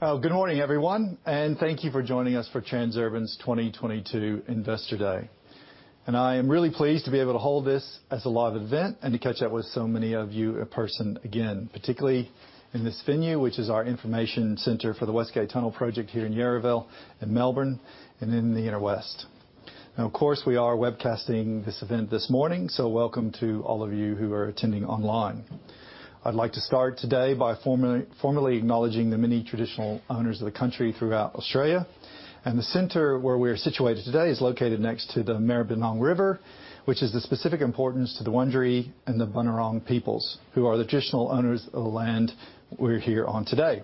Oh, good morning everyone and thank you for joining us for Transurban's 2022 Investor Day. I am really pleased to be able to hold this as a live event and to catch up with so many of you in person again, particularly in this venue, which is our information center for the West Gate Tunnel project here in Yarraville, in Melbourne, and in the inner west. Now, of course, we are webcasting this event this morning, so welcome to all of you who are attending online. I'd like to start today by formally acknowledging the many traditional owners of the country throughout Australia. The center where we are situated today is located next to the Maribyrnong River, which is of specific importance to the Wurundjeri and the Bunurong peoples, who are the traditional owners of the land we're here on today.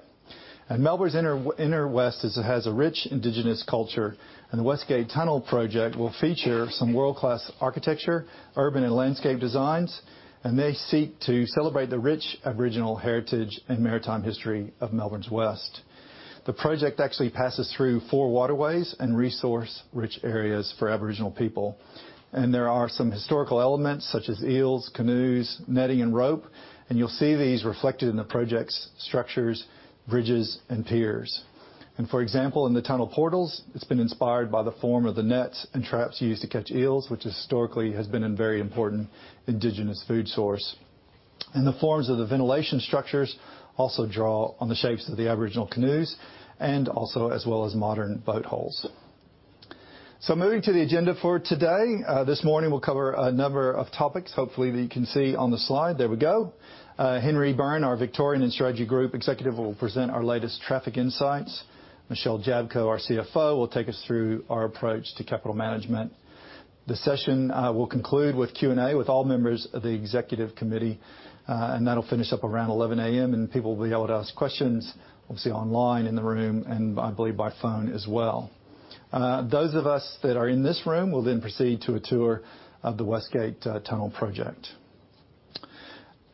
Melbourne's inner west is, has a rich indigenous culture, and the West Gate Tunnel project will feature some world-class architecture, urban and landscape designs, and they seek to celebrate the rich Aboriginal heritage and maritime history of Melbourne's west. The project actually passes through four waterways and resource-rich areas for Aboriginal people. There are some historical elements such as eels, canoes, netting, and rope, and you'll see these reflected in the project's structures, bridges, and piers. For example, in the tunnel portals, it's been inspired by the form of the nets and traps used to catch eels, which historically has been a very important indigenous food source. The forms of the ventilation structures also draw on the shapes of the Aboriginal canoes and also as well as modern boat hulls. Moving to the agenda for today, this morning we'll cover a number of topics hopefully that you can see on the slide. There we go. Henry Byrne, our Victoria and Strategy Group Executive, will present our latest traffic insights. Michelle Jablko, our CFO, will take us through our approach to capital management. The session will conclude with Q&A with all members of the executive committee, and that'll finish up around 11:00A.M., and people will be able to ask questions, obviously online, in the room, and I believe by phone as well. Those of us that are in this room will then proceed to a tour of the West Gate Tunnel project.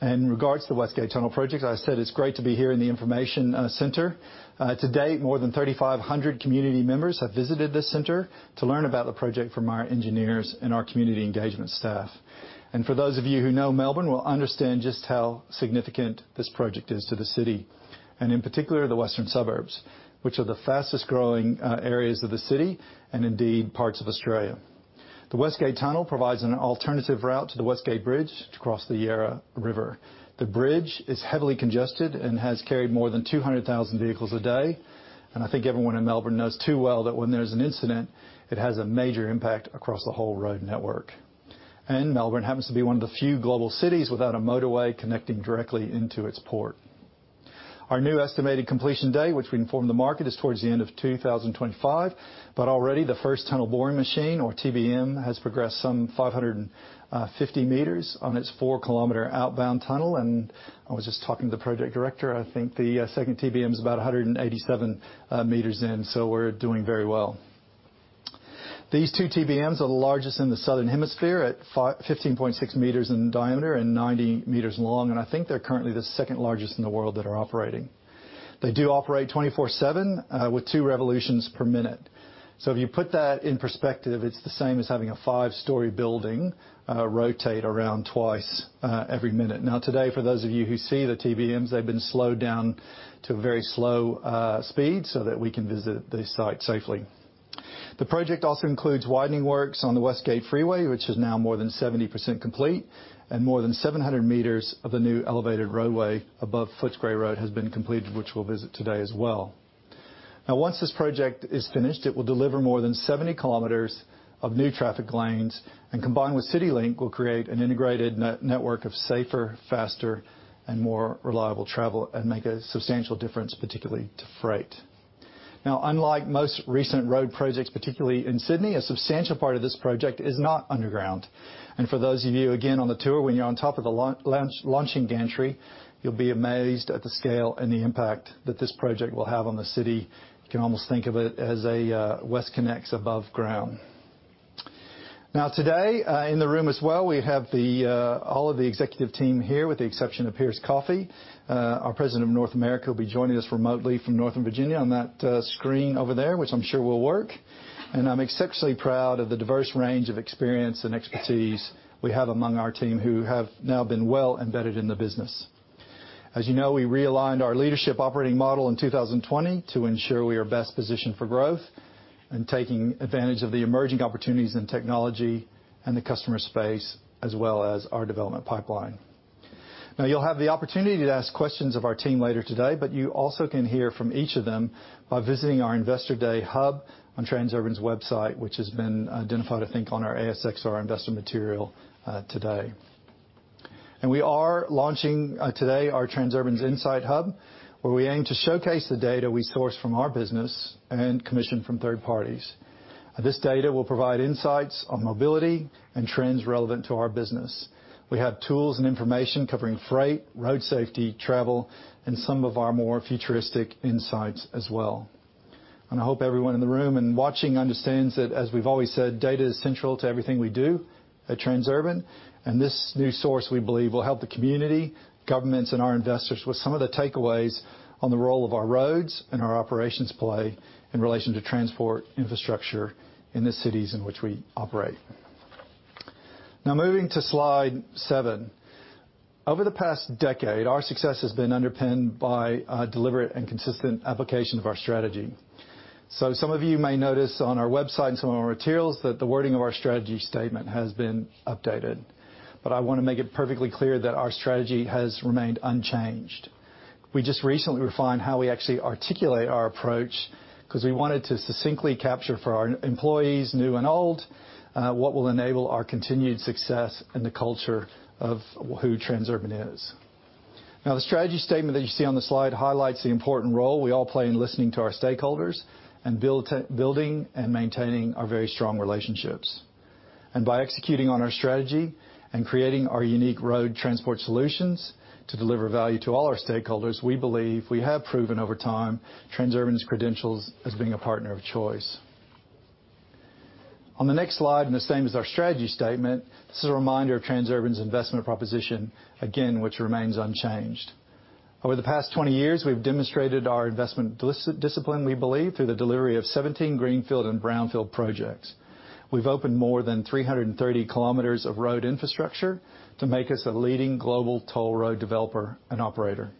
In regards to the West Gate Tunnel project, I said it's great to be here in the information center. To date, more than 3,500 community members have visited this center to learn about the project from our engineers and our community engagement staff. For those of you who know Melbourne, will understand just how significant this project is to the city, and in particular, the western suburbs, which are the fastest growing areas of the city and indeed parts of Australia. The West Gate Tunnel provides an alternative route to the West Gate Bridge to cross the Yarra River. The bridge is heavily congested and has carried more than 200,000 vehicles a day. I think everyone in Melbourne knows too well that when there's an incident, it has a major impact across the whole road network. Melbourne happens to be one of the few global cities without a motorway connecting directly into its port. Our new estimated completion date, which we informed the market, is towards the end of 2025. Already the first tunnel boring machine, or TBM, has progressed some 550 meters on its 4 km outbound tunnel. I was just talking to the project director. I think the second TBM is about 187 meters in. We're doing very well. These two TBMs are the largest in the Southern Hemisphere at 15.6 meters in diameter and 90 meters long, and I think they're currently the second-largest in the world that are operating. They do operate 24/7 with two revolutions per minute. If you put that in perspective, it's the same as having a five-story building rotate around twice every minute. Today, for those of you who see the TBMs, they've been slowed down to a very slow speed so that we can visit the site safely. The project also includes widening works on the West Gate Freeway, which is now more than 70% complete and more than 700 meters of the new elevated roadway above Footscray Road has been completed, which we'll visit today as well. Now, once this project is finished, it will deliver more than 70 km of new traffic lanes, and combined with CityLink will create an integrated network of safer, faster, and more reliable travel and make a substantial difference, particularly to freight. Now, unlike most recent road projects, particularly in Sydney, a substantial part of this project is not underground. For those of you, again, on the tour, when you're on top of the launching gantry, you'll be amazed at the scale and the impact that this project will have on the city. You can almost think of it as a WestConnex above ground. Now, today, in the room as well, we have all of the executive team here with the exception of Pierce Coffe. Our president of North America will be joining us remotely from Northern Virginia on that screen over there, which I'm sure will work. I'm exceptionally proud of the diverse range of experience and expertise we have among our team who have now been well embedded in the business. As you know, we realigned our leadership operating model in 2020 to ensure we are best positioned for growth and taking advantage of the emerging opportunities in technology and the customer space as well as our development pipeline. Now, you'll have the opportunity to ask questions of our team later today, but you also can hear from each of them by visiting our Investor Day hub on Transurban's website, which has been identified, I think, on our ASX or investor material, today. We are launching today our Transurban's Insight Hub, where we aim to showcase the data we source from our business and commission from third parties. This data will provide insights on mobility and trends relevant to our business. We have tools and information covering freight, road safety, travel, and some of our more futuristic insights as well. I hope everyone in the room and watching understands that, as we've always said, data is central to everything we do at Transurban, and this new source, we believe, will help the community, governments, and our investors with some of the takeaways on the role of our roads and our operations play in relation to transport infrastructure in the cities in which we operate. Now moving to slide seven. Over the past decade, our success has been underpinned by a deliberate and consistent application of our strategy. Some of you may notice on our website and some of our materials that the wording of our strategy statement has been updated. I wanna make it perfectly clear that our strategy has remained unchanged. We just recently refined how we actually articulate our approach, 'cause we wanted to succinctly capture for our employees, new and old, what will enable our continued success and the culture of who Transurban is. Now, the strategy statement that you see on the slide highlights the important role we all play in listening to our stakeholders and building and maintaining our very strong relationships. By executing on our strategy and creating our unique road transport solutions to deliver value to all our stakeholders, we believe we have proven over time Transurban's credentials as being a partner of choice. On the next slide, and the same as our strategy statement, this is a reminder of Transurban's investment proposition, again, which remains unchanged. Over the past 20 years, we've demonstrated our investment discipline, we believe, through the delivery of 17 greenfield and brownfield projects. We've opened more than 330 km of road infrastructure to make us a leading global toll road developer and operator.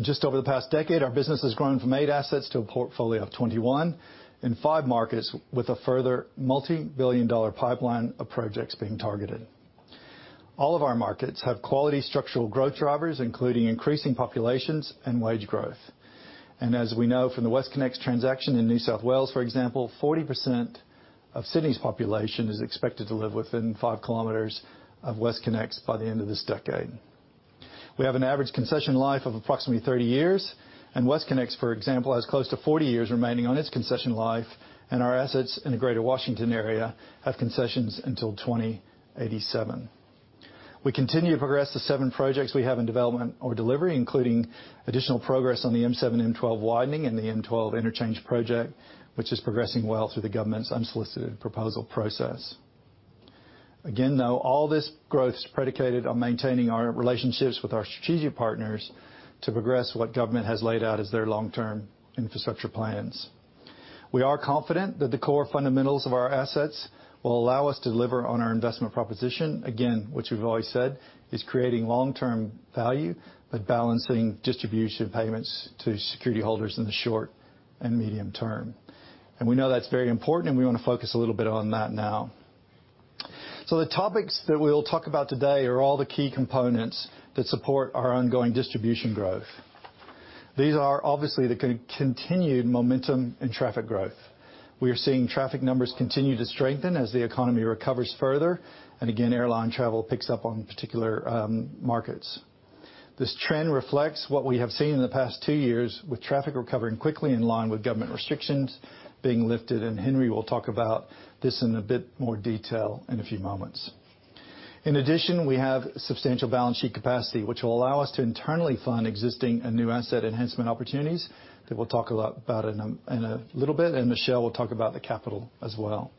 Just over the past decade, our business has grown from eight assets to a portfolio of 21 in five markets, with a further multi-billion dollar pipeline of projects being targeted. All of our markets have quality structural growth drivers, including increasing populations and wage growth. As we know from the WestConnex transaction in New South Wales, for example, 40% of Sydney's population is expected to live within 5 km of WestConnex by the end of this decade. We have an average concession life of approximately 30 years, and WestConnex, for example, has close to 40 years remaining on its concession life, and our assets in the Greater Washington area have concessions until 2087. We continue to progress the seven projects we have in development or delivery, including additional progress on the M7-M12 widening and the M7-M12 Interchange project, which is progressing well through the government's unsolicited proposal process. Again, though, all this growth's predicated on maintaining our relationships with our strategic partners to progress what government has laid out as their long-term infrastructure plans. We are confident that the core fundamentals of our assets will allow us to deliver on our investment proposition, again, which we've always said is creating long-term value, but balancing distribution payments to security holders in the short and medium term. We know that's very important, and we wanna focus a little bit on that now. The topics that we'll talk about today are all the key components that support our ongoing distribution growth. These are obviously the continued momentum in traffic growth. We are seeing traffic numbers continue to strengthen as the economy recovers further, and again, airline travel picks up in particular markets. This trend reflects what we have seen in the past two years with traffic recovering quickly in line with government restrictions being lifted, and Henry will talk about this in a bit more detail in a few moments. In addition, we have substantial balance sheet capacity, which will allow us to internally fund existing and new asset enhancement opportunities that we'll talk about in a little bit, and Michelle will talk about the capital as well.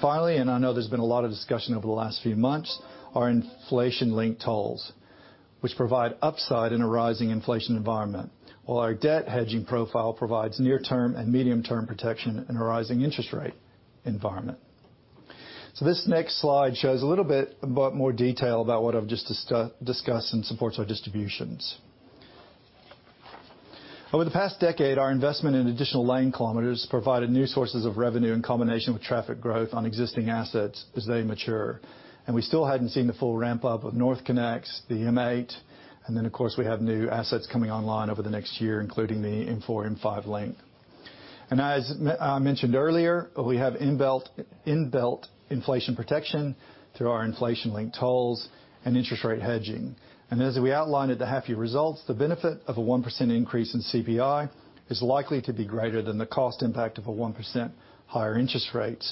Finally, and I know there's been a lot of discussion over the last few months, our inflation-linked tolls, which provide upside in a rising inflation environment, while our debt hedging profile provides near-term and medium-term protection in a rising interest rate environment. This next slide shows a little bit more detail about what I've just discussed and supports our distributions. Over the past decade, our investment in additional lane kilometers provided new sources of revenue in combination with traffic growth on existing assets as they mature. We still hadn't seen the full ramp-up of NorthConnex, the M8, and then of course, we have new assets coming online over the next year, including the M4-M5 Link. I mentioned earlier, we have inbuilt inflation protection through our inflation-linked tolls and interest rate hedging. We outlined at the half-year results, the benefit of a 1% increase in CPI is likely to be greater than the cost impact of a 1% higher interest rate,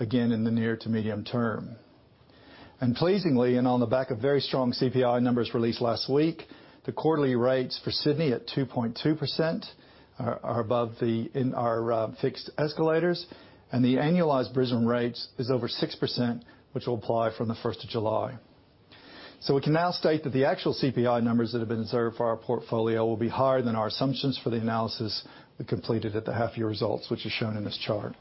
again in the near to medium term. Pleasingly, on the back of very strong CPI numbers released last week, the quarterly rates for Sydney at 2.2% are above the in our fixed escalators, and the annualized Brisbane rates is over 6%, which will apply from the first of July. We can now state that the actual CPI numbers that have been observed for our portfolio will be higher than our assumptions for the analysis we completed at the half-year results, which is shown in this chart.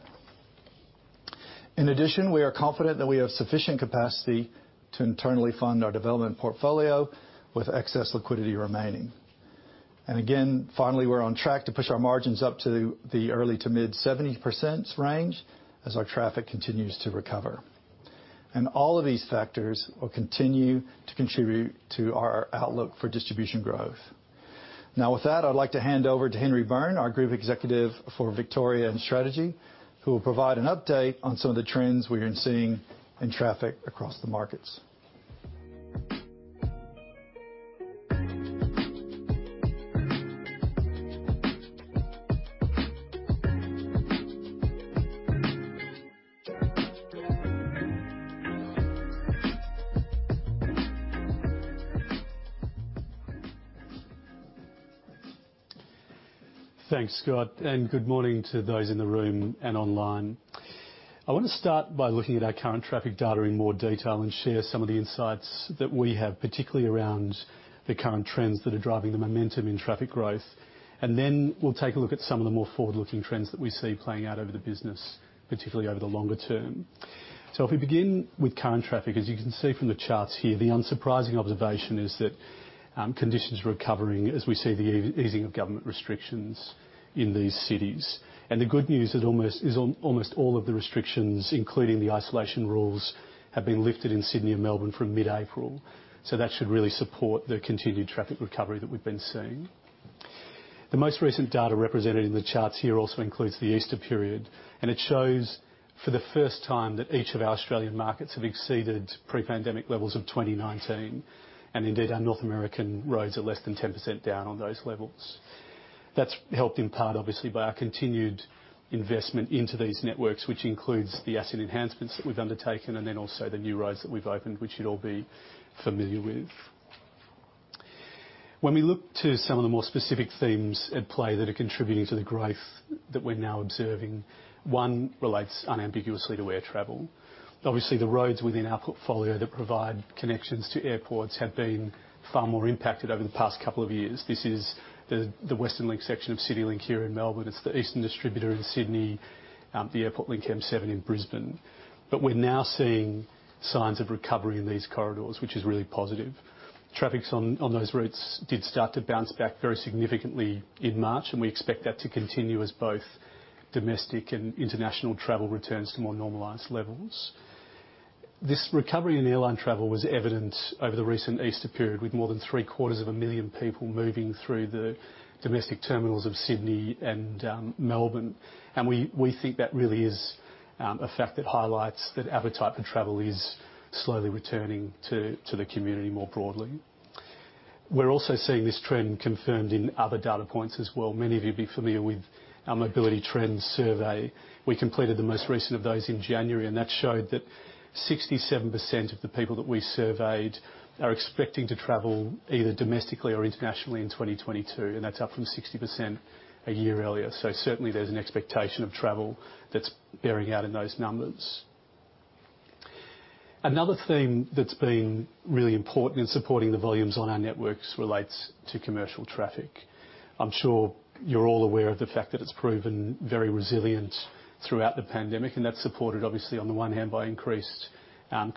In addition, we are confident that we have sufficient capacity to internally fund our development portfolio with excess liquidity remaining. Again, finally, we're on track to push our margins up to the early- to mid-70% range as our traffic continues to recover. All of these factors will continue to contribute to our outlook for distribution growth. Now with that, I'd like to hand over to Henry Byrne, our Group Executive for Victoria and Strategy, who will provide an update on some of the trends we are seeing in traffic across the markets. Thanks Scott and good morning to those in the room and online. I wanna start by looking at our current traffic data in more detail and share some of the insights that we have, particularly around the current trends that are driving the momentum in traffic growth. Then we'll take a look at some of the more forward-looking trends that we see playing out over the business, particularly over the longer term. If we begin with current traffic, as you can see from the charts here, the unsurprising observation is that conditions are recovering as we see the easing of government restrictions in these cities. The good news is almost all of the restrictions, including the isolation rules, have been lifted in Sydney and Melbourne from mid-April. That should really support the continued traffic recovery that we've been seeing. The most recent data represented in the charts here also includes the Easter period, and it shows for the first time that each of our Australian markets have exceeded pre-pandemic levels of 2019. Indeed, our North American roads are less than 10% down on those levels. That's helped in part, obviously, by our continued investment into these networks, which includes the asset enhancements that we've undertaken and then also the new roads that we've opened, which you'd all be familiar with. When we look to some of the more specific themes at play that are contributing to the growth that we're now observing, one relates unambiguously to air travel. Obviously, the roads within our portfolio that provide connections to airports have been far more impacted over the past couple of years. This is the Western Link section of CityLink here in Melbourne. It's the Eastern Distributor in Sydney, the AirportlinkM7 in Brisbane. We're now seeing signs of recovery in these corridors, which is really positive. Traffic on those routes did start to bounce back very significantly in March, and we expect that to continue as both domestic and international travel returns to more normalized levels. This recovery in airline travel was evident over the recent Easter period, with more than three-quarters of a million people moving through the domestic terminals of Sydney and Melbourne. We think that really is a fact that highlights that appetite for travel is slowly returning to the community more broadly. We're also seeing this trend confirmed in other data points as well. Many of you will be familiar with our Urban Mobility Trends survey. We completed the most recent of those in January, and that showed that 67% of the people that we surveyed are expecting to travel either domestically or internationally in 2022, and that's up from 60% a year earlier. Certainly there's an expectation of travel that's bearing out in those numbers. Another theme that's been really important in supporting the volumes on our networks relates to commercial traffic. I'm sure you're all aware of the fact that it's proven very resilient throughout the pandemic, and that's supported obviously on the one hand by increased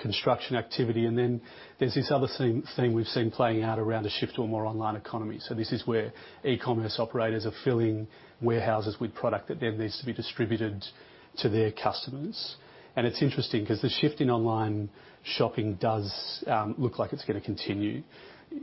construction activity. Then there's this other theme we've seen playing out around a shift to a more online economy. This is where e-commerce operators are filling warehouses with product that then needs to be distributed to their customers. It's interesting 'cause the shift in online shopping does look like it's gonna continue.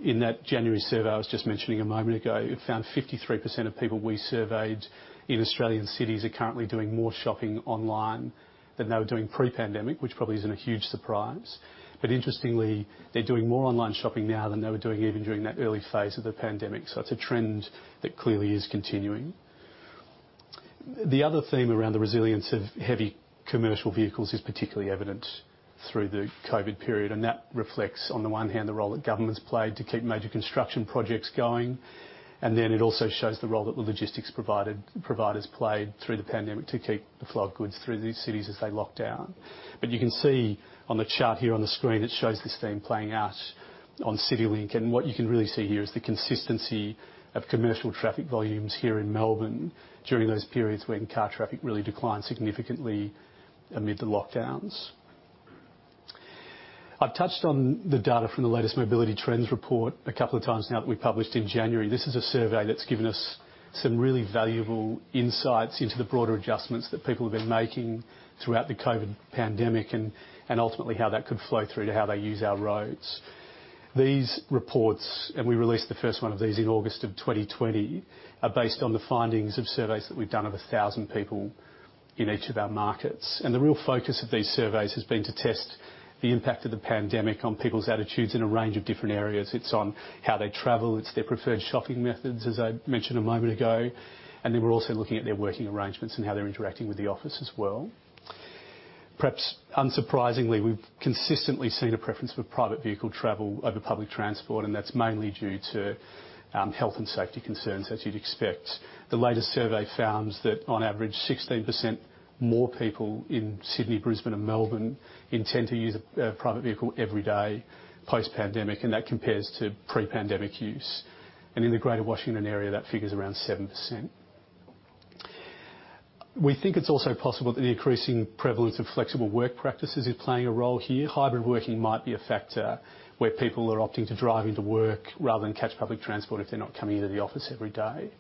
In that January survey I was just mentioning a moment ago, it found 53% of people we surveyed in Australian cities are currently doing more shopping online than they were doing pre-pandemic, which probably isn't a huge surprise. Interestingly, they're doing more online shopping now than they were doing even during that early phase of the pandemic. It's a trend that clearly is continuing. The other theme around the resilience of heavy commercial vehicles is particularly evident through the COVID period, and that reflects, on the one hand, the role that government's played to keep major construction projects going. It also shows the role that the logistics providers played through the pandemic to keep the flow of goods through these cities as they locked down. You can see on the chart here on the screen, it shows this theme playing out on CityLink, and what you can really see here is the consistency of commercial traffic volumes here in Melbourne during those periods when car traffic really declined significantly amid the lockdowns. I've touched on the data from the latest Urban Mobility Trends Report a couple of times now that we published in January. This is a survey that's given us some really valuable insights into the broader adjustments that people have been making throughout the COVID pandemic and ultimately how that could flow through to how they use our roads. These reports, we released the first one of these in August 2020, are based on the findings of surveys that we've done of 1,000 people in each of our markets. The real focus of these surveys has been to test the impact of the pandemic on people's attitudes in a range of different areas. It's on how they travel. It's their preferred shopping methods, as I mentioned a moment ago, and then we're also looking at their working arrangements and how they're interacting with the office as well. Perhaps unsurprisingly, we've consistently seen a preference for private vehicle travel over public transport, and that's mainly due to health and safety concerns as you'd expect. The latest survey found that on average 16% more people in Sydney, Brisbane, and Melbourne intend to use a private vehicle every day post-pandemic, and that compares to pre-pandemic use. In the greater Washington area, that figure's around 7%. We think it's also possible that the increasing prevalence of flexible work practices is playing a role here. Hybrid working might be a factor where people are opting to drive into work rather than catch public transport if they're not coming into the office every day.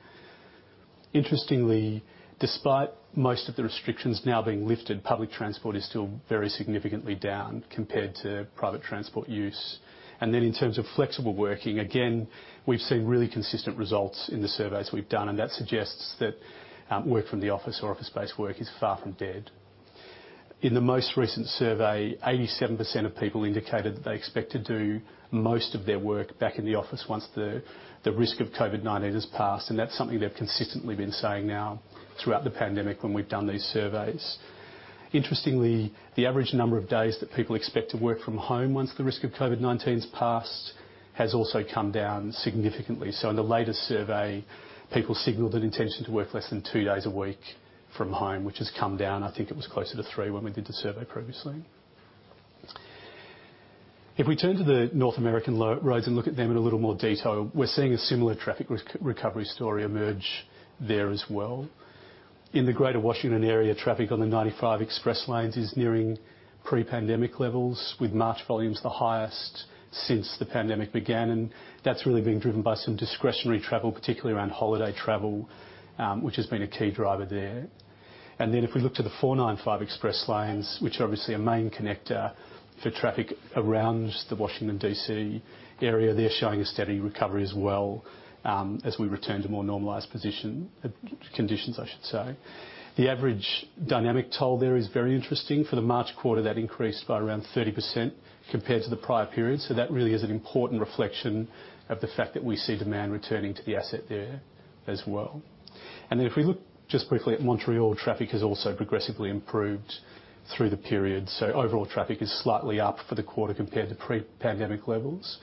Interestingly, despite most of the restrictions now being lifted, public transport is still very significantly down compared to private transport use. Then in terms of flexible working, again, we've seen really consistent results in the surveys we've done, and that suggests that work from the office or office space work is far from dead. In the most recent survey, 87% of people indicated that they expect to do most of their work back in the office once the risk of COVID-19 has passed, and that's something they've consistently been saying now throughout the pandemic when we've done these surveys. Interestingly, the average number of days that people expect to work from home once the risk of COVID-19's passed has also come down significantly. In the latest survey, people signaled an intention to work less than two days a week from home, which has come down. I think it was closer to three when we did the survey previously. If we turn to the North American toll roads and look at them in a little more detail, we're seeing a similar traffic recovery story emerge there as well. In the greater Washington area, traffic on the 95 Express Lanes is nearing pre-pandemic levels, with March volumes the highest since the pandemic began, and that's really being driven by some discretionary travel, particularly around holiday travel, which has been a key driver there. If we look to the 495 Express Lanes, which are obviously a main connector for traffic around the Washington, D.C. area, they're showing a steady recovery as well, as we return to more normalized conditions, I should say. The average dynamic toll there is very interesting. For the March quarter, that increased by around 30% compared to the prior period, so that really is an important reflection of the fact that we see demand returning to the asset there as well. If we look just briefly at Montreal, traffic has also progressively improved through the period. Overall traffic is slightly up for the quarter compared to pre-pandemic levels,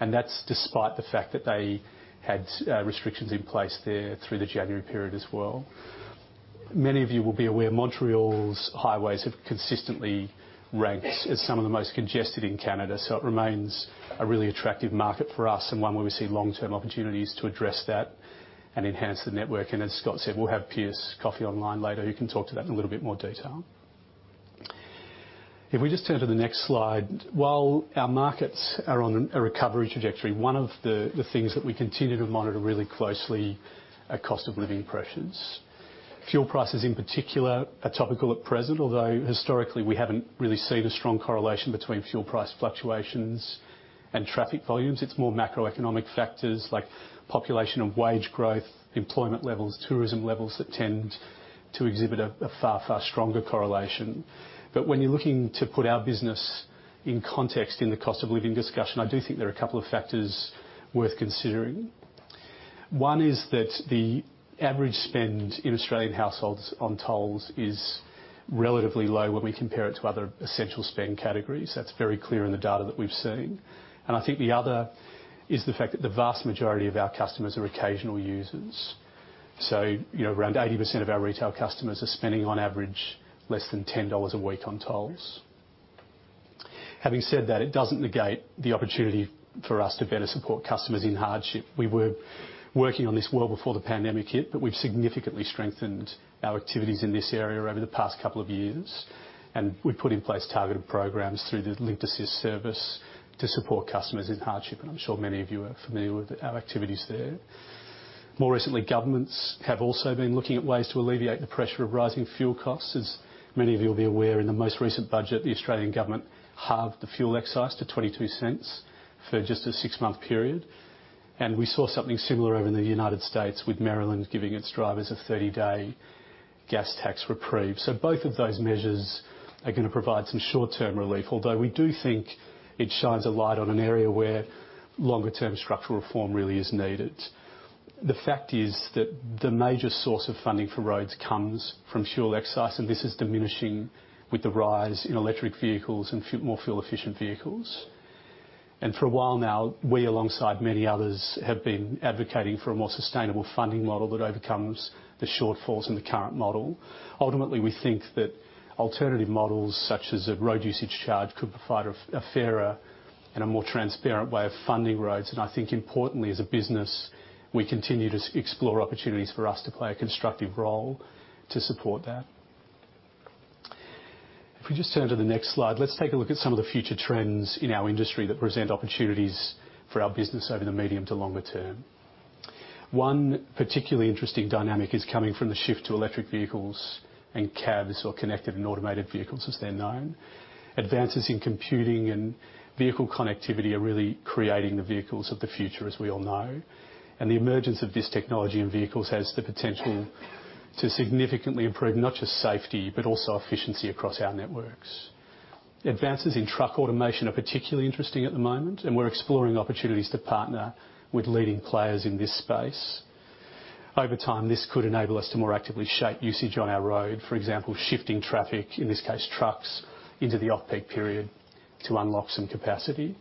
and that's despite the fact that they had restrictions in place there through the January period as well. Many of you will be aware Montreal's highways have consistently ranked as some of the most congested in Canada, so it remains a really attractive market for us and one where we see long-term opportunities to address that and enhance the network. As Scott said, we'll have Pierce Coffee online later who can talk to that in a little bit more detail. If we just turn to the next slide. While our markets are on a recovery trajectory, one of the things that we continue to monitor really closely are cost of living pressures. Fuel prices in particular are topical at present, although historically, we haven't really seen a strong correlation between fuel price fluctuations and traffic volumes. It's more macroeconomic factors like population and wage growth, employment levels, tourism levels that tend to exhibit a far stronger correlation. when you're looking to put our business in context in the cost of living discussion, I do think there are a couple of factors worth considering. One is that the average spend in Australian households on tolls is relatively low when we compare it to other essential spend categories. That's very clear in the data that we've seen. I think the other is the fact that the vast majority of our customers are occasional users. You know, around 80% of our retail customers are spending on average less than 10 dollars a week on tolls. Having said that, it doesn't negate the opportunity for us to better support customers in hardship. We were working on this well before the pandemic hit, but we've significantly strengthened our activities in this area over the past couple of years, and we've put in place targeted programs through the Linkt Assist service to support customers in hardship. I'm sure many of you are familiar with our activities there. More recently, governments have also been looking at ways to alleviate the pressure of rising fuel costs. As many of you will be aware, in the most recent budget, the Australian government halved the fuel excise to 0.22 for just a six-month period. We saw something similar over in the United States with Maryland giving its drivers a 30-day gas tax reprieve. Both of those measures are gonna provide some short-term relief. Although we do think it shines a light on an area where longer term structural reform really is needed. The fact is that the major source of funding for roads comes from fuel excise, and this is diminishing with the rise in electric vehicles and more fuel-efficient vehicles. For a while now, we, alongside many others, have been advocating for a more sustainable funding model that overcomes the shortfalls in the current model. Ultimately, we think that alternative models such as a road usage charge could provide a fairer and a more transparent way of funding roads. I think importantly as a business, we continue to explore opportunities for us to play a constructive role to support that. If we just turn to the next slide, let's take a look at some of the future trends in our industry that present opportunities for our business over the medium to longer term. One particularly interesting dynamic is coming from the shift to electric vehicles and CAVs or connected and automated vehicles as they're known. Advances in computing and vehicle connectivity are really creating the vehicles of the future as we all know, and the emergence of this technology in vehicles has the potential to significantly improve not just safety but also efficiency across our networks. Advances in truck automation are particularly interesting at the moment, and we're exploring opportunities to partner with leading players in this space. Over time, this could enable us to more actively shape usage on our road. For example, shifting traffic, in this case trucks, into the off-peak period to unlock some capacity.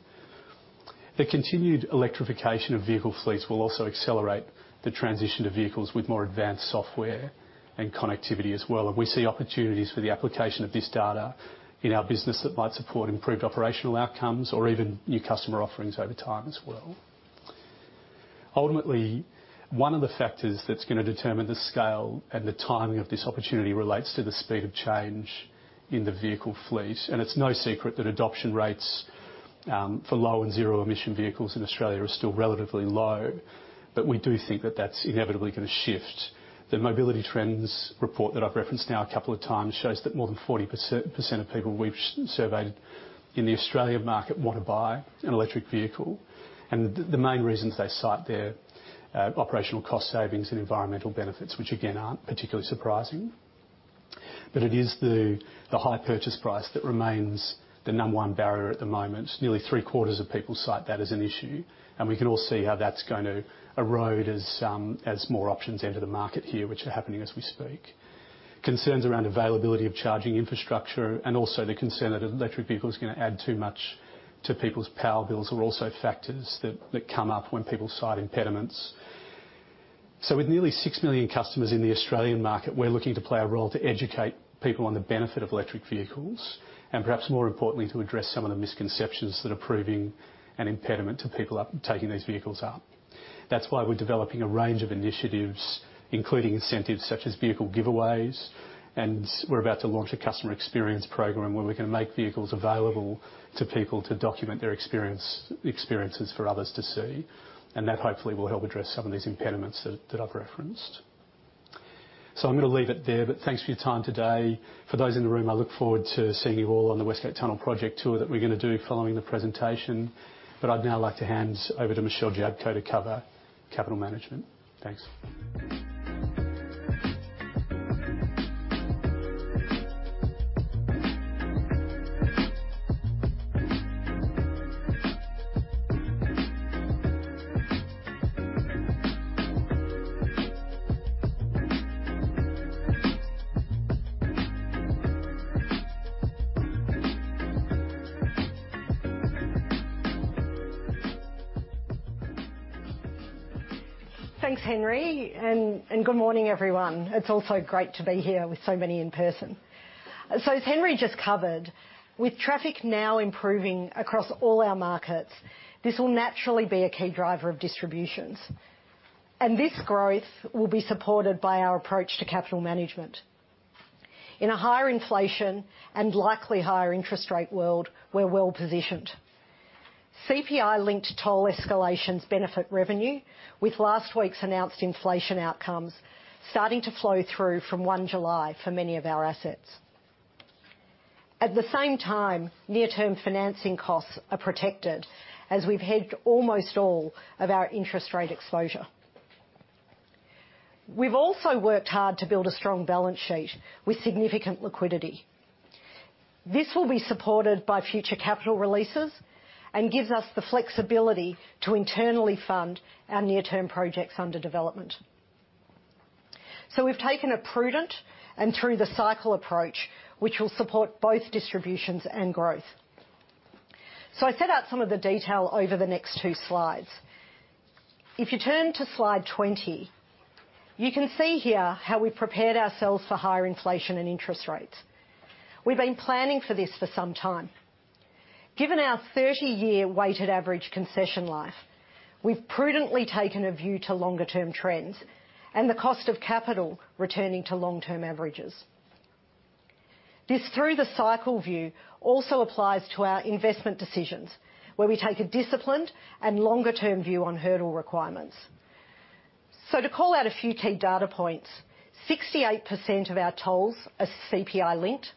The continued electrification of vehicle fleets will also accelerate the transition to vehicles with more advanced software and connectivity as well. We see opportunities for the application of this data in our business that might support improved operational outcomes or even new customer offerings over time as well. Ultimately, one of the factors that's gonna determine the scale and the timing of this opportunity relates to the speed of change in the vehicle fleet. It's no secret that adoption rates for low and zero-emission vehicles in Australia are still relatively low. We do think that that's inevitably gonna shift. The Urban Mobility Trends report that I've referenced now a couple of times shows that more than 40% of people we've surveyed in the Australian market want to buy an electric vehicle. The main reasons they cite there, operational cost savings and environmental benefits, which again aren't particularly surprising. It is the high purchase price that remains the number one barrier at the moment. Nearly three-quarters of people cite that as an issue, and we can all see how that's going to erode as more options enter the market here, which are happening as we speak. Concerns around availability of charging infrastructure and also the concern that an electric vehicle is gonna add too much to people's power bills are also factors that come up when people cite impediments. With nearly six million customers in the Australian market, we're looking to play a role to educate people on the benefit of electric vehicles, and perhaps more importantly, to address some of the misconceptions that are proving an impediment to people taking these vehicles up. That's why we're developing a range of initiatives, including incentives such as vehicle giveaways, and we're about to launch a customer experience program where we can make vehicles available to people to document their experience, experiences for others to see. That hopefully will help address some of these impediments that I've referenced. I'm gonna leave it there, but thanks for your time today. For those in the room, I look forward to seeing you all on the West Gate Tunnel project tour that we're gonna do following the presentation. I'd now like to hand over to Michelle Jablko to cover capital management. Thanks. Thanks Henry and good morning everyone. It's also great to be here with so many in person. As Henry just covered, with traffic now improving across all our markets, this will naturally be a key driver of distributions. This growth will be supported by our approach to capital management. In a higher inflation and likely higher interest rate world, we're well positioned. CPI-linked toll escalations benefit revenue, with last week's announced inflation outcomes starting to flow through from 1 July for many of our assets. At the same time, near-term financing costs are protected as we've hedged almost all of our interest rate exposure. We've also worked hard to build a strong balance sheet with significant liquidity. This will be supported by future capital releases and gives us the flexibility to internally fund our near-term projects under development. We've taken a prudent and through-the-cycle approach, which will support both distributions and growth. I set out some of the detail over the next two slides. If you turn to slide 20, you can see here how we prepared ourselves for higher inflation and interest rates. We've been planning for this for some time. Given our 30-year weighted average concession life, we've prudently taken a view to longer-term trends and the cost of capital returning to long-term averages. This through-the-cycle view also applies to our investment decisions, where we take a disciplined and longer-term view on hurdle requirements. To call out a few key data points, 68% of our tolls are CPI-linked.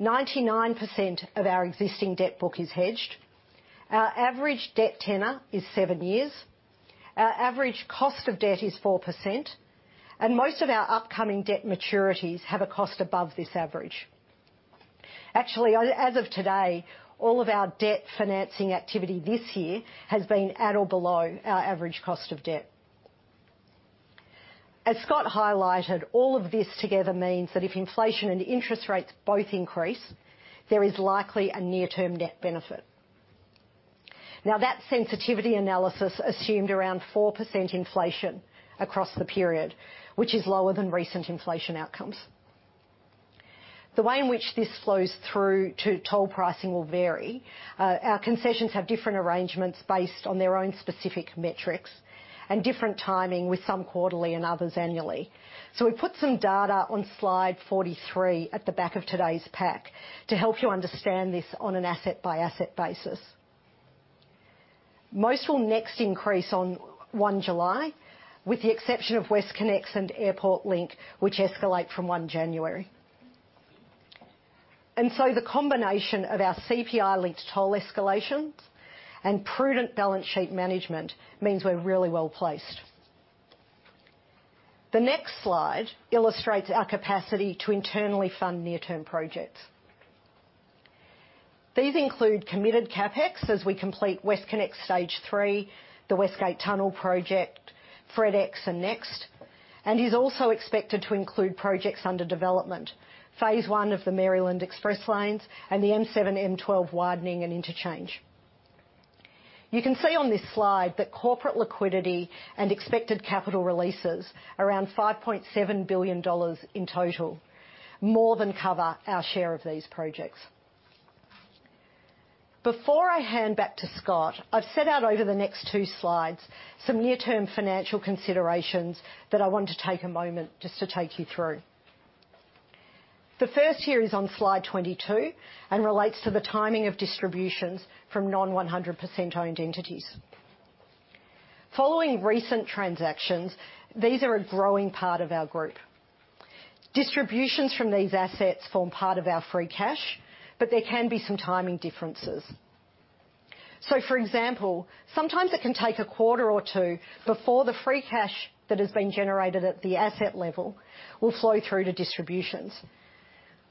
99% of our existing debt book is hedged. Our average debt tenor is seven years. Our average cost of debt is 4%, and most of our upcoming debt maturities have a cost above this average. Actually, as of today, all of our debt financing activity this year has been at or below our average cost of debt. As Scott highlighted, all of this together means that if inflation and interest rates both increase, there is likely a near-term net benefit. Now, that sensitivity analysis assumed around 4% inflation across the period, which is lower than recent inflation outcomes. The way in which this flows through to toll pricing will vary. Our concessions have different arrangements based on their own specific metrics and different timing, with some quarterly and others annually. We put some data on slide 43 at the back of today's pack to help you understand this on an asset-by-asset basis. Most will next increase on 1 July, with the exception of WestConnex and Airport Link, which escalate from 1 January. The combination of our CPI-linked toll escalations and prudent balance sheet management means we're really well placed. The next slide illustrates our capacity to internally fund near-term projects. These include committed CapEx as we complete WestConnex Stage 3, the West Gate Tunnel project, Fredericksburg Extension and Next, and is also expected to include projects under development. Phase 1 of the Maryland Express Lanes and the M7, M12 widening and interchange. You can see on this slide that corporate liquidity and expected capital releases around 5.7 billion dollars in total more than cover our share of these projects. Before I hand back to Scott, I've set out over the next two slides some near-term financial considerations that I want to take a moment just to take you through. The first here is on slide 22 and relates to the timing of distributions from non-100% owned entities. Following recent transactions, these are a growing part of our group. Distributions from these assets form part of our free cash, but there can be some timing differences. For example, sometimes it can take a quarter or two before the free cash that has been generated at the asset level will flow through to distributions.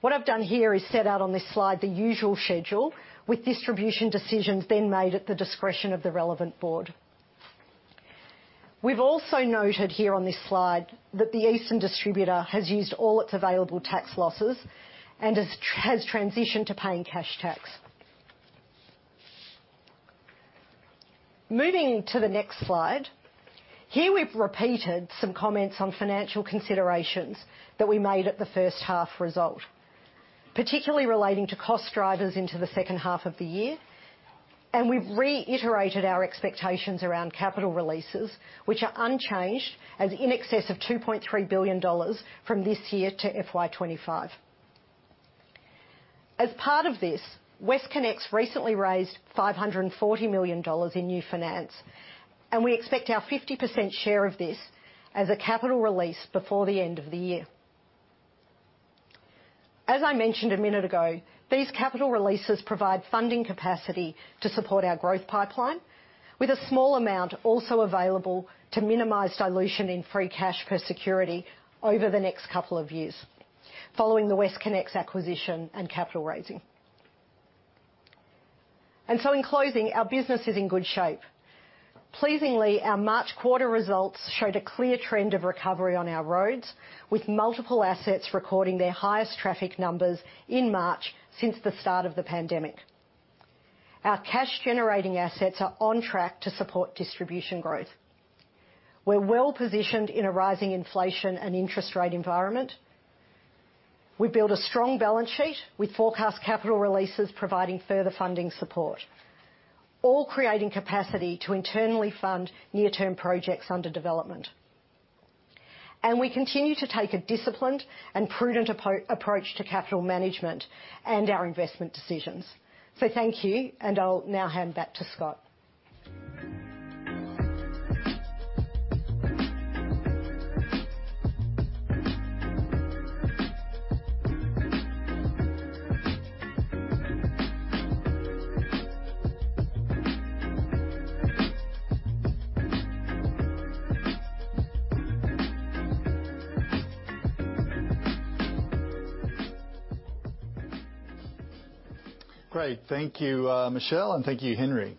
What I've done here is set out on this slide the usual schedule with distribution decisions being made at the discretion of the relevant board. We've also noted here on this slide that the Eastern Distributor has used all its available tax losses and has transitioned to paying cash tax. Moving to the next slide. Here we've repeated some comments on financial considerations that we made at the H1 result, particularly relating to cost drivers into the H2 of the year. We've reiterated our expectations around capital releases, which are unchanged as in excess of 2.3 billion dollars from this year to FY 2025. As part of this, WestConnex recently raised 540 million dollars in new finance, and we expect our 50% share of this as a capital release before the end of the year. As I mentioned a minute ago, these capital releases provide funding capacity to support our growth pipeline with a small amount also available to minimize dilution in free cash per security over the next couple of years following the WestConnex acquisition and capital raising. In closing, our business is in good shape. Pleasingly, our March quarter results showed a clear trend of recovery on our roads, with multiple assets recording their highest traffic numbers in March since the start of the pandemic. Our cash-generating assets are on track to support distribution growth. We're well-positioned in a rising inflation and interest rate environment. We build a strong balance sheet with forecast capital releases providing further funding support, all creating capacity to internally fund near-term projects under development. We continue to take a disciplined and prudent approach to capital management and our investment decisions. Thank you, and I'll now hand back to Scott. Great. Thank you Michelle and thank you Henry.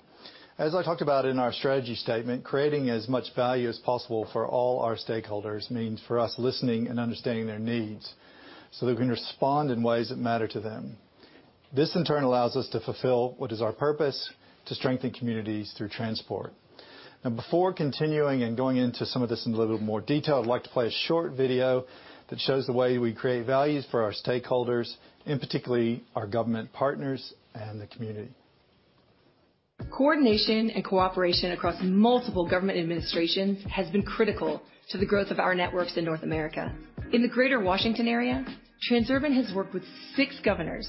As I talked about in our strategy statement, creating as much value as possible for all our stakeholders means for us listening and understanding their needs so that we can respond in ways that matter to them. This, in turn, allows us to fulfill what is our purpose: to strengthen communities through transport. Now, before continuing and going into some of this in a little bit more detail, I'd like to play a short video that shows the way we create values for our stakeholders, and particularly our government partners and the community. Coordination and cooperation across multiple government administrations has been critical to the growth of our networks in North America. In the Greater Washington Area, Transurban has worked with six governors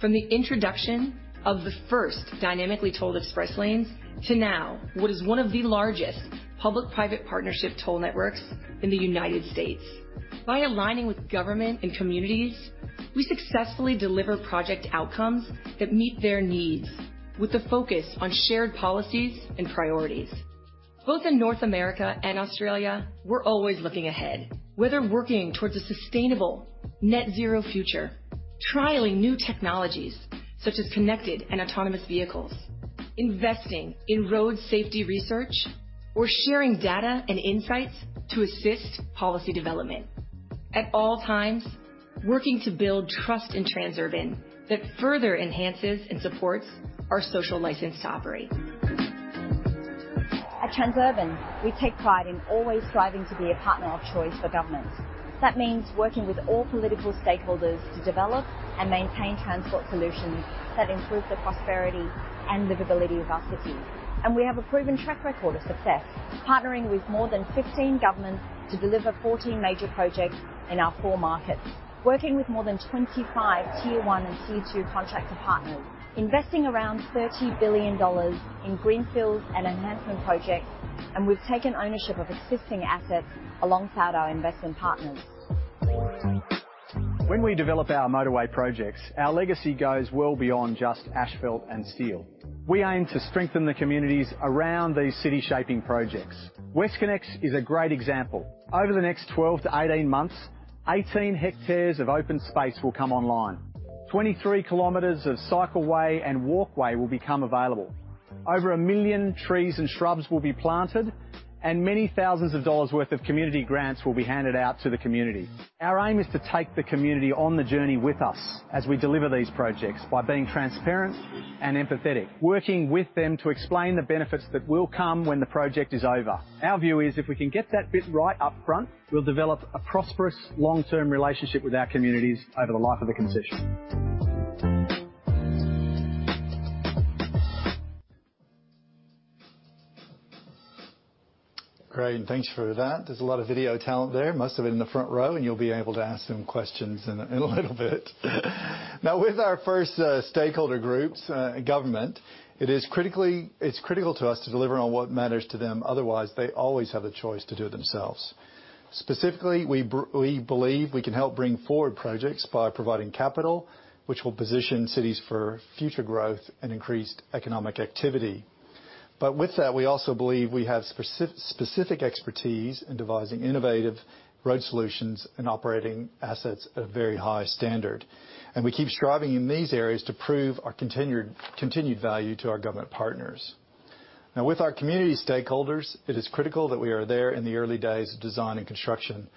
from the introduction of the first dynamically tolled Express Lanes to now what is one of the largest public-private partnership toll networks in the United States. By aligning with government and communities, we successfully deliver project outcomes that meet their needs with a focus on shared policies and priorities. Both in North America and Australia, we're always looking ahead, whether working towards a sustainable net zero future, trialing new technologies such as connected and autonomous vehicles, investing in road safety research or sharing data and insights to assist policy development. At all times working to build trust in Transurban that further enhances and supports our social license to operate. At Transurban, we take pride in always striving to be a partner of choice for governments. That means working with all political stakeholders to develop and maintain transport solutions that improve the prosperity and livability of our cities. We have a proven track record of success, partnering with more than 15 governments to deliver 14 major projects in our four markets. Working with more than 25 tier one and tier two contractor partners, investing around 30 billion dollars in greenfields and enhancement projects, and we've taken ownership of existing assets alongside our investment partners. When we develop our motorway projects, our legacy goes well beyond just asphalt and steel. We aim to strengthen the communities around these city-shaping projects. WestConnex is a great example. Over the next 12-18 months, 18 hectares of open space will come online. 23 km of cycleway and walkway will become available. Over one million trees and shrubs will be planted, and many thousands of AUD dollars' worth of community grants will be handed out to the community. Our aim is to take the community on the journey with us as we deliver these projects by being transparent and empathetic, working with them to explain the benefits that will come when the project is over. Our view is if we can get that bit right up front, we'll develop a prosperous long-term relationship with our communities over the life of the concession. Great, and thanks for that. There's a lot of vital talent there. Most of it in the front row, and you'll be able to ask them questions in a little bit. Now with our first stakeholder groups, government, it's critical to us to deliver on what matters to them, otherwise they always have the choice to do it themselves. Specifically, we believe we can help bring forward projects by providing capital which will position cities for future growth and increased economic activity. With that, we also believe we have specific expertise in devising innovative road solutions and operating assets at a very high standard. We keep striving in these areas to prove our continued value to our government partners. Now with our community stakeholders, it is critical that we are there in the early days of design and construction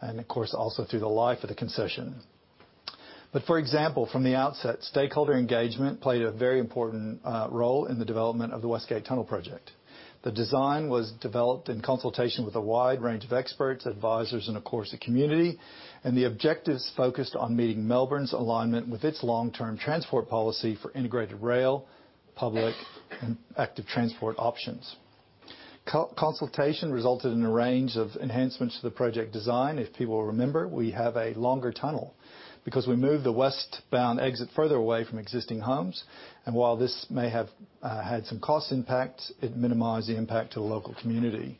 and of course also through the life of the concession. For example, from the outset, stakeholder engagement played a very important role in the development of the West Gate Tunnel project. The design was developed in consultation with a wide range of experts, advisors, and of course, the community, and the objectives focused on meeting Melbourne's alignment with its long-term transport policy for integrated rail, public, and active transport options. Consultation resulted in a range of enhancements to the project design. If people remember, we have a longer tunnel because we moved the westbound exit further away from existing homes, and while this may have had some cost impacts, it minimized the impact to the local community.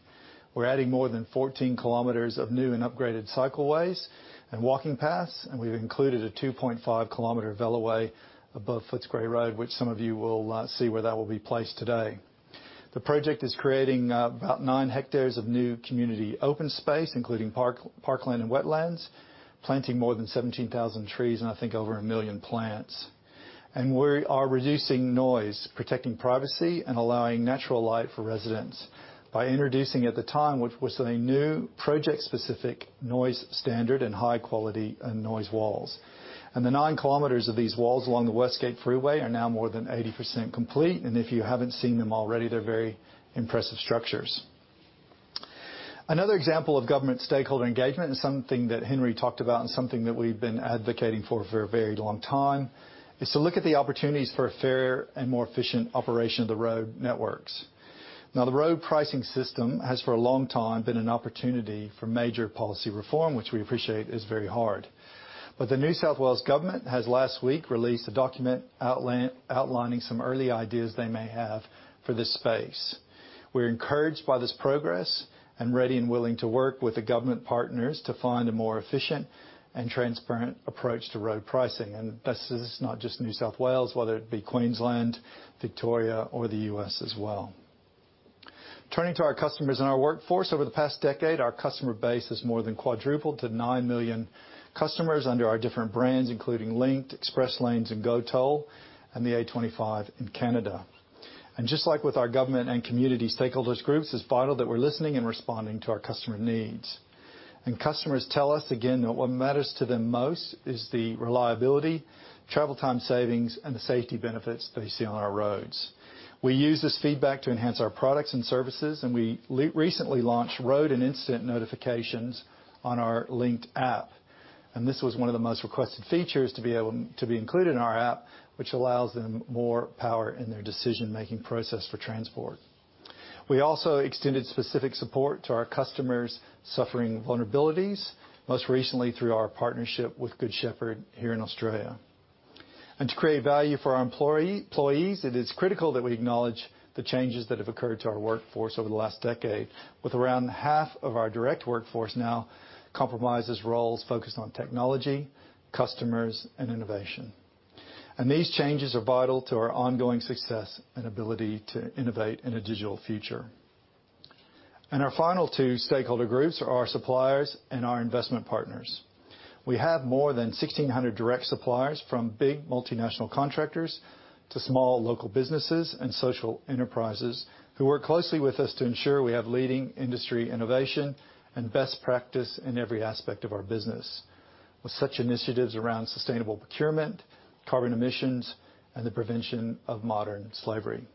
We're adding more than 14 kilometers of new and upgraded cycleways and walking paths, and we've included a 2.5 km veloway above Footscray Road, which some of you will see where that will be placed today. The project is creating about nine hectares of new community open space, including parkland and wetlands, planting more than 17,000 trees, and I think over one million plants. We are reducing noise, protecting privacy, and allowing natural light for residents by introducing, at the time which was something new, project-specific noise standard and high quality and noise walls. The 9 kilometers of these walls along the West Gate Freeway are now more than 80% complete, and if you haven't seen them already, they're very impressive structures. Another example of government stakeholder engagement and something that Henry talked about and something that we've been advocating for for a very long time is to look at the opportunities for a fair and more efficient operation of the road networks. Now, the road pricing system has, for a long time, been an opportunity for major policy reform, which we appreciate is very hard. The New South Wales government has last week released a document outlining some early ideas they may have for this space. We're encouraged by this progress and ready and willing to work with the government partners to find a more efficient and transparent approach to road pricing. This is not just New South Wales, whether it be Queensland, Victoria or the U.S. as well. Turning to our customers and our workforce over the past decade, our customer base has more than quadrupled to nine million customers under our different brands, including Linkt, Express Lanes and GoToll, and the A25 in Canada. Just like with our government and community stakeholders groups, it's vital that we're listening and responding to our customer needs. Customers tell us again that what matters to them most is the reliability, travel time savings, and the safety benefits that they see on our roads. We use this feedback to enhance our products and services, and we recently launched road and incident notifications on our Linkt app. This was one of the most requested features to be included in our app, which allows them more power in their decision-making process for transport. We also extended specific support to our customers suffering vulnerabilities, most recently through our partnership with Good Shepherd here in Australia. To create value for our employees, it is critical that we acknowledge the changes that have occurred to our workforce over the last decade, with around half of our direct workforce now comprises roles focused on technology, customers, and innovation. These changes are vital to our ongoing success and ability to innovate in a digital future. Our final two stakeholder groups are our suppliers and our investment partners. We have more than 1,600 direct suppliers, from big multinational contractors to small local businesses and social enterprises who work closely with us to ensure we have leading industry innovation and best practice in every aspect of our business, with such initiatives around sustainable procurement, carbon emissions, and the prevention of modern slavery.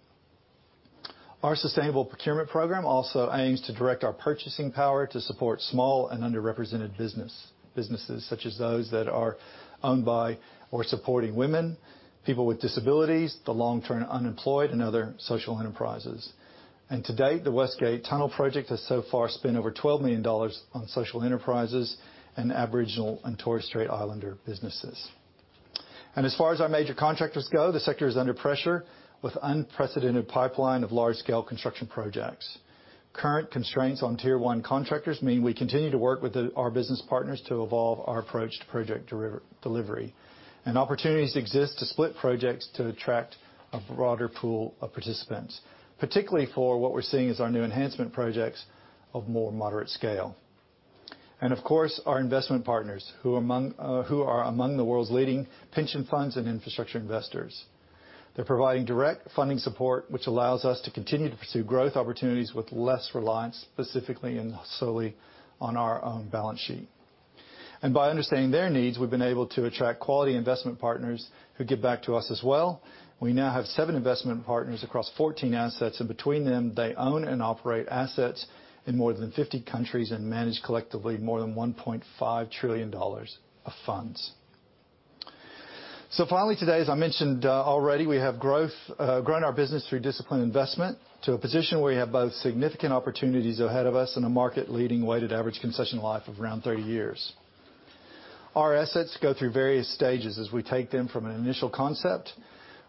Our sustainable procurement program also aims to direct our purchasing power to support small and underrepresented business, businesses such as those that are owned by or supporting women, people with disabilities, the long-term unemployed and other social enterprises. To date, the West Gate Tunnel project has so far spent over 12 million dollars on social enterprises and Aboriginal and Torres Strait Islander businesses. As far as our major contractors go, the sector is under pressure with unprecedented pipeline of large-scale construction projects. Current constraints on tier one contractors mean we continue to work with our business partners to evolve our approach to project delivery. Opportunities exist to split projects to attract a broader pool of participants, particularly for what we're seeing as our new enhancement projects of more moderate scale. Of course, our investment partners, who are among the world's leading pension funds and infrastructure investors. They're providing direct funding support, which allows us to continue to pursue growth opportunities with less reliance, specifically and solely on our own balance sheet. By understanding their needs, we've been able to attract quality investment partners who give back to us as well. We now have seven investment partners across 14 assets, and between them, they own and operate assets in more than 50 countries and manage collectively more than $1.5 trillion of funds. Finally today, as I mentioned already, we have grown our business through disciplined investment to a position where we have both significant opportunities ahead of us and a market-leading weighted average concession life of around 30 years. Our assets go through various stages as we take them from an initial concept,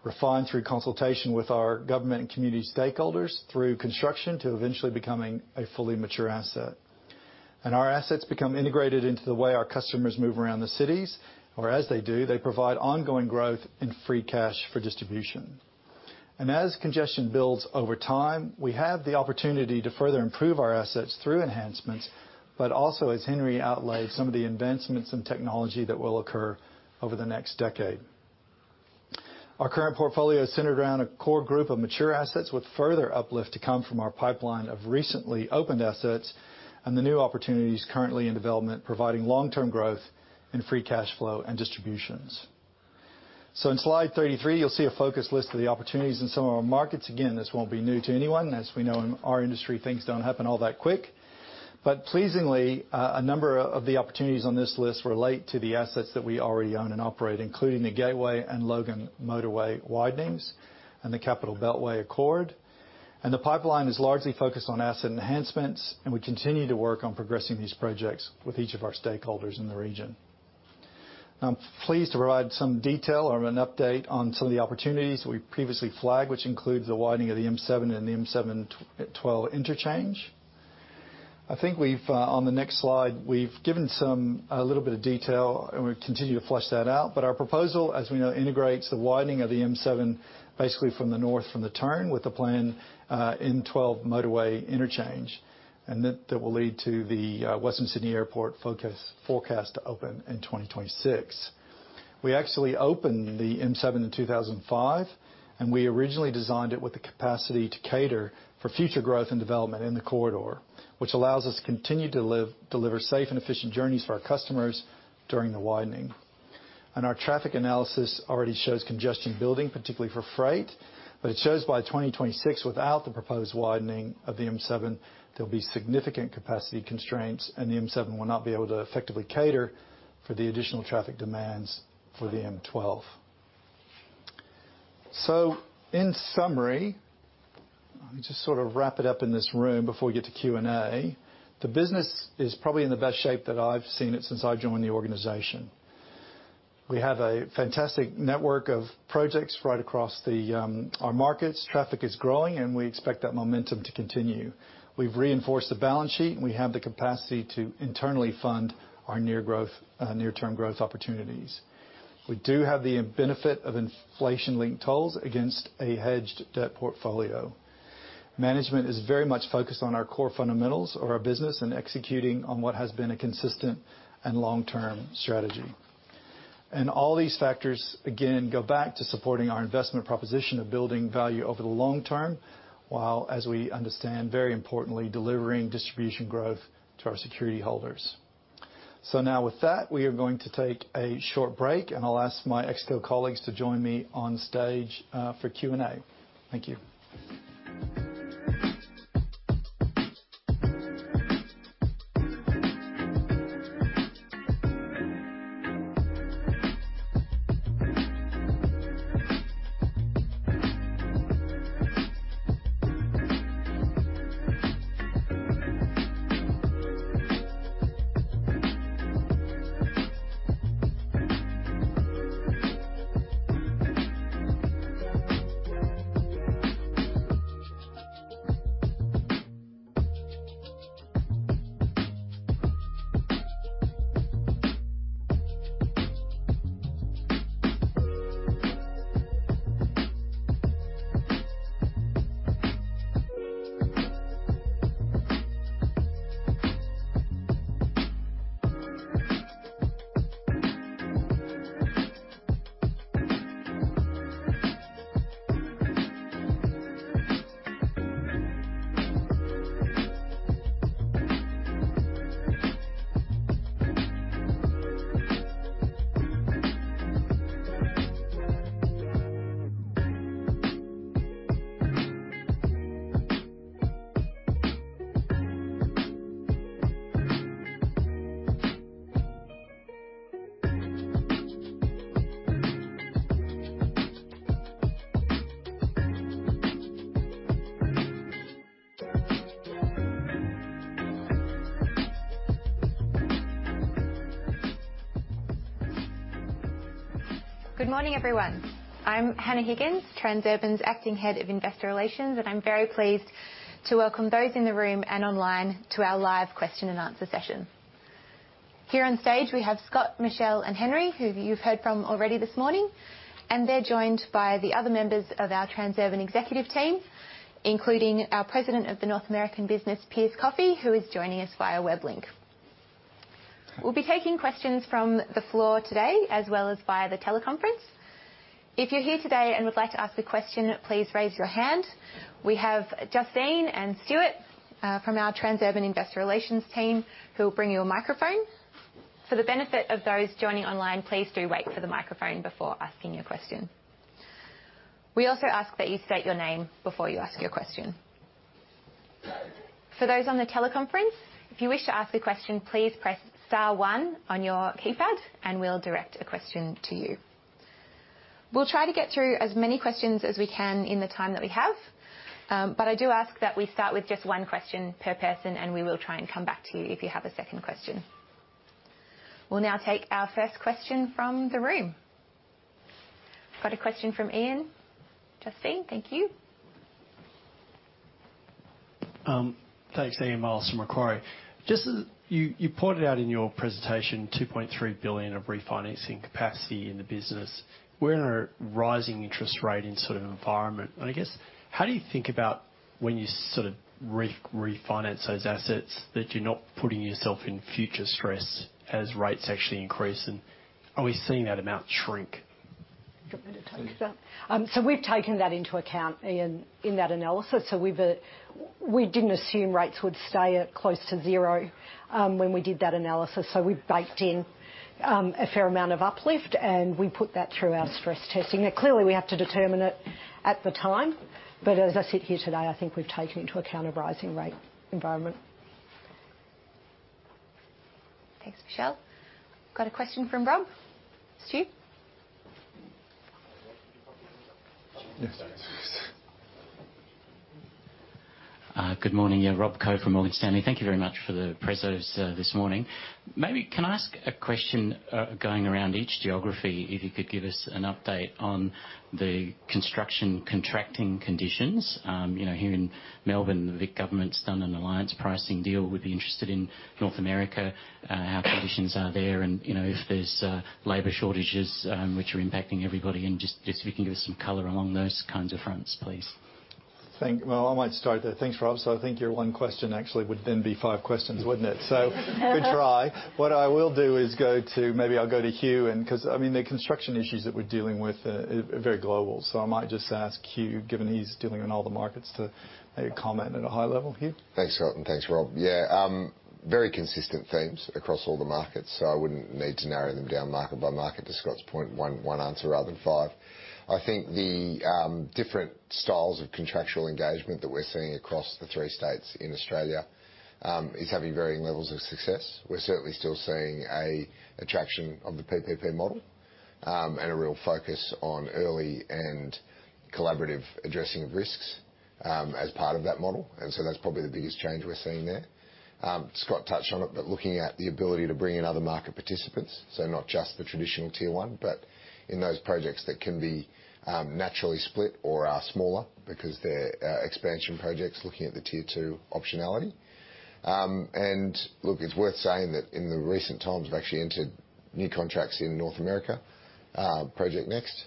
refined through consultation with our government and community stakeholders through construction, to eventually becoming a fully mature asset. Our assets become integrated into the way our customers move around the cities, or as they do, they provide ongoing growth and free cash for distribution. As congestion builds over time, we have the opportunity to further improve our assets through enhancements. As Henry outlined, some of the advancements in technology that will occur over the next decade. Our current portfolio is centered around a core group of mature assets with further uplift to come from our pipeline of recently opened assets and the new opportunities currently in development, providing long-term growth and free cash flow and distributions. In slide 33, you'll see a focused list of the opportunities in some of our markets. Again, this won't be new to anyone. As we know in our industry, things don't happen all that quick. Pleasingly, a number of the opportunities on this list relate to the assets that we already own and operate, including the Gateway Motorway and Logan Motorway widenings and the Capital Beltway Accord. The pipeline is largely focused on asset enhancements, and we continue to work on progressing these projects with each of our stakeholders in the region. I'm pleased to provide some detail or an update on some of the opportunities we previously flagged, which includes the widening of the M7 and the M7-M12 interchange. I think on the next slide, we've given some a little bit of detail, and we continue to flesh that out. Our proposal, as we know, integrates the widening of the M7, basically from the north, from the turn with the M12 motorway interchange, and that will lead to the Western Sydney Airport forecast to open in 2026. We actually opened the M7 in 2005, and we originally designed it with the capacity to cater for future growth and development in the corridor, which allows us to continue to deliver safe and efficient journeys for our customers during the widening. Our traffic analysis already shows congestion building, particularly for freight, but it shows by 2026, without the proposed widening of the M7, there'll be significant capacity constraints, and the M7 will not be able to effectively cater for the additional traffic demands for the M12. In summary, let me just sort of wrap it up in this room before we get to Q&A. The business is probably in the best shape that I've seen it since I joined the organization. We have a fantastic network of projects right across our markets. Traffic is growing, and we expect that momentum to continue. We've reinforced the balance sheet, and we have the capacity to internally fund our near-term growth opportunities. We do have the benefit of inflation-linked tolls against a hedged debt portfolio. Management is very much focused on our core fundamentals of our business and executing on what has been a consistent and long-term strategy. All these factors, again, go back to supporting our investment proposition of building value over the long term, while, as we understand, very importantly, delivering distribution growth to our security holders. Now with that, we are going to take a short break, and I'll ask my Exco colleagues to join me on stage for Q&A. Thank you. Good morning everyone. I'm Hannah Higgins, Transurban's Acting Head of Investor Relations, and I'm very pleased to welcome those in the room and online to our live question and answer session. Here on stage we have Scott, Michelle, and Henry, who you've heard from already this morning, and they're joined by the other members of our Transurban executive team, including our President of the North American business, Pierce Coffee, who is joining us via web link. We'll be taking questions from the floor today as well as via the teleconference. If you're here today and would like to ask a question, please raise your hand. We have Justine and Stuart from our Transurban Investor Relations team who will bring you a microphone. For the benefit of those joining online, please do wait for the microphone before asking your question. We also ask that you state your name before you ask your question. For those on the teleconference, if you wish to ask a question, please press star one on your keypad and we'll direct a question to you. We'll try to get through as many questions as we can in the time that we have. I do ask that we start with just one question per person, and we will try and come back to you if you have a second question. We'll now take our first question from the room. Got a question from Ian. Justine. Thank you. Thanks, Ian Myles from Macquarie. Just as you pointed out in your presentation, 2.3 billion of refinancing capacity in the business. We're in a rising interest rate sort of environment. I guess, how do you think about when you sort of re-refinance those assets, that you're not putting yourself in future stress as rates actually increase? Are we seeing that amount shrink? Do you want me to take that? We've taken that into account, Ian, in that analysis. We didn't assume rates would stay at close to zero when we did that analysis. We've baked in a fair amount of uplift, and we put that through our stress testing. Now clearly we have to determine it at the time. As I sit here today, I think we've taken into account a rising rate environment. Thanks, Michelle. Got a question from Rob. Stu? Yes. Good morning. Rob Koh from Morgan Stanley. Thank you very much for the presentation this morning. Maybe I can ask a question, going around each geography, if you could give us an update on the construction contracting conditions. You know, here in Melbourne, the Vic government's done an alliance pricing deal. We'd be interested in North America, how conditions are there, and, you know, if there's labor shortages, which are impacting everybody, and just, if you can give us some color along those kinds of fronts, please. Well, I might start there. Thanks, Rob. I think your one question actually would then be five questions, wouldn't it? Good try. What I will do is go to, maybe I'll go to Hugh and because, I mean, the construction issues that we're dealing with are very global. I might just ask Hugh, given he's dealing in all the markets, to maybe comment at a high level. Hugh? Thanks Scott and thanks Rob. Yeah, very consistent themes across all the markets, so I wouldn't need to narrow them down market by market to Scott's point, one answer rather than five. I think the different styles of contractual engagement that we're seeing across the three states in Australia is having varying levels of success. We're certainly still seeing an attraction of the PPP model, and a real focus on early and collaborative addressing of risks, as part of that model. That's probably the biggest change we're seeing there. Scott touched on it, but looking at the ability to bring in other market participants, so not just the traditional tier one, but in those projects that can be naturally split or are smaller because they're expansion projects looking at the tier two optionality. Look, it's worth saying that in the recent times, we've actually entered new contracts in North America, Project NEXT,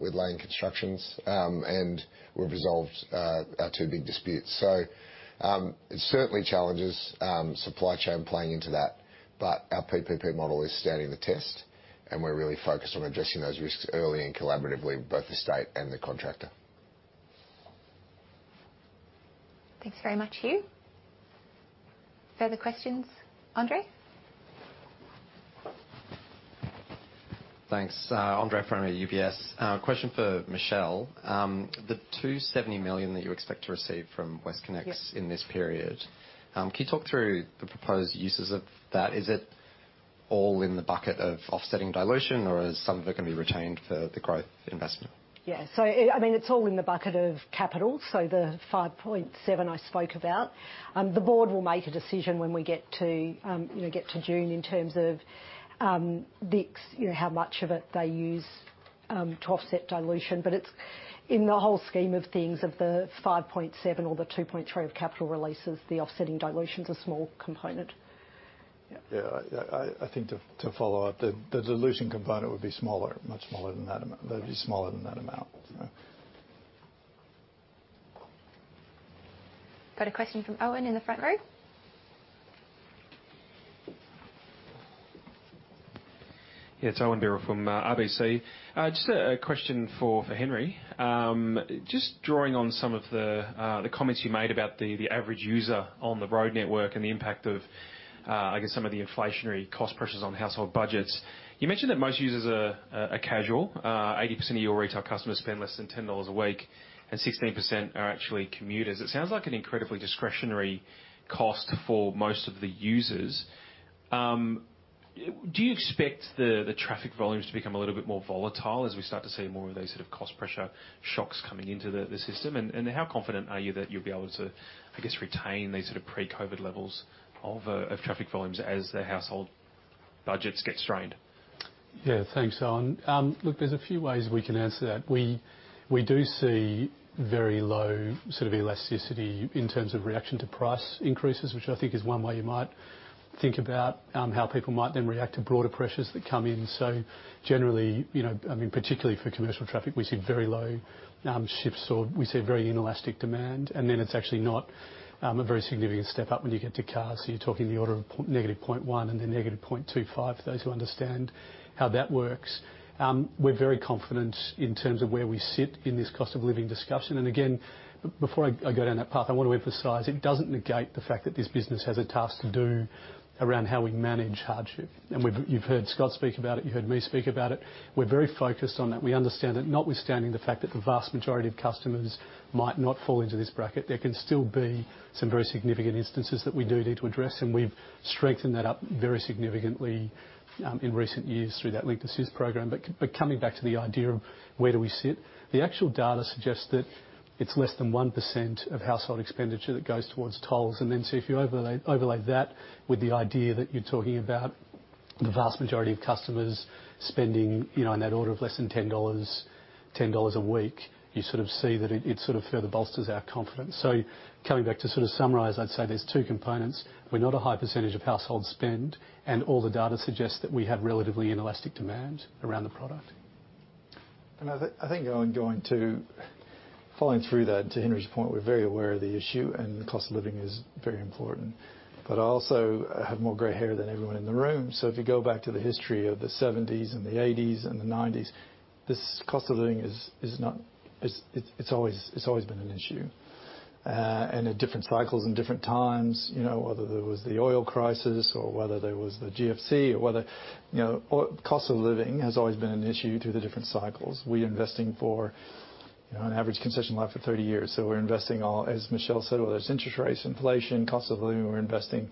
with Lane Construction Corporation, and we've resolved our two big disputes. It certainly challenges supply chain playing into that, but our PPP model is standing the test, and we're really focused on addressing those risks early and collaboratively with both the state and the contractor. Thanks very much, Hugh. Further questions, Andre? Thanks. Andre from UBS. Question for Michelle. The 270 million that you expect to receive from WestConnex. Yeah. In this period, can you talk through the proposed uses of that? Is it all in the bucket of offsetting dilution, or is some of it gonna be retained for the growth investment? I mean, it's all in the bucket of capital, so the 5.7 I spoke about. The board will make a decision when we get to June in terms of the [decks], you know, how much of it they use to offset dilution. It's in the whole scheme of things of the 5.7 or the 2.3 of capital releases, the offsetting dilution's a small component. Yeah. I think to follow up, the dilution component would be smaller, much smaller than that amount. That would be smaller than that amount. Got a question from Owen in the front row. Yeah. It's Owen Birrell from RBC. Just a question for Henry Byrne. Just drawing on some of the comments you made about the average user on the road network and the impact of I guess some of the inflationary cost pressures on household budgets. You mentioned that most users are casual. 80% of your retail customers spend less than 10 dollars a week, and 16% are actually commuters. It sounds like an incredibly discretionary cost for most of the users. Do you expect the traffic volumes to become a little bit more volatile as we start to see more of those sort of cost pressure shocks coming into the system? How confident are you that you'll be able to, I guess, retain these sort of pre-COVID levels of traffic volumes as the household budgets get strained? Yeah. Thanks, Owen. Look, there's a few ways we can answer that. We do see very low sort of elasticity in terms of reaction to price increases, which I think is one way you might think about how people might then react to broader pressures that come in. Generally, you know, I mean, particularly for commercial traffic, we see very low shifts or we see very inelastic demand, and then it's actually not a very significant step up when you get to cars. You're talking the order of -0.1 and then -0.25 for those who understand how that works. We're very confident in terms of where we sit in this cost of living discussion. Before I go down that path, I wanna emphasize it doesn't negate the fact that this business has a task to do around how we manage hardship. You've heard Scott speak about it, you've heard me speak about it. We're very focused on that. We understand that notwithstanding the fact that the vast majority of customers might not fall into this bracket, there can still be some very significant instances that we do need to address, and we've strengthened that up very significantly in recent years through that Linkt Assist program. Coming back to the idea of where do we sit, the actual data suggests that it's less than 1% of household expenditure that goes towards tolls. If you overlay that with the idea that you're talking about the vast majority of customers spending, you know, in that order of less than 10 dollars, 10 dollars a week, you sort of see that it sort of further bolsters our confidence. Coming back to sort of summarize, I'd say there's two components. We're not a high percentage of household spend, and all the data suggests that we have relatively inelastic demand around the product. I think, Owen, following through that, to Henry's point, we're very aware of the issue, and cost of living is very important. But I also have more gray hair than everyone in the room. If you go back to the history of the seventies and the eighties and the nineties, this cost of living is not, it's always been an issue. And at different cycles and different times, you know, whether there was the oil crisis or whether there was the GFC or whether, you know, or cost of living has always been an issue through the different cycles. We're investing for, you know, on average concession life for 30 years. We're investing, as Michelle said, whether it's interest rates, inflation, cost of living, we're investing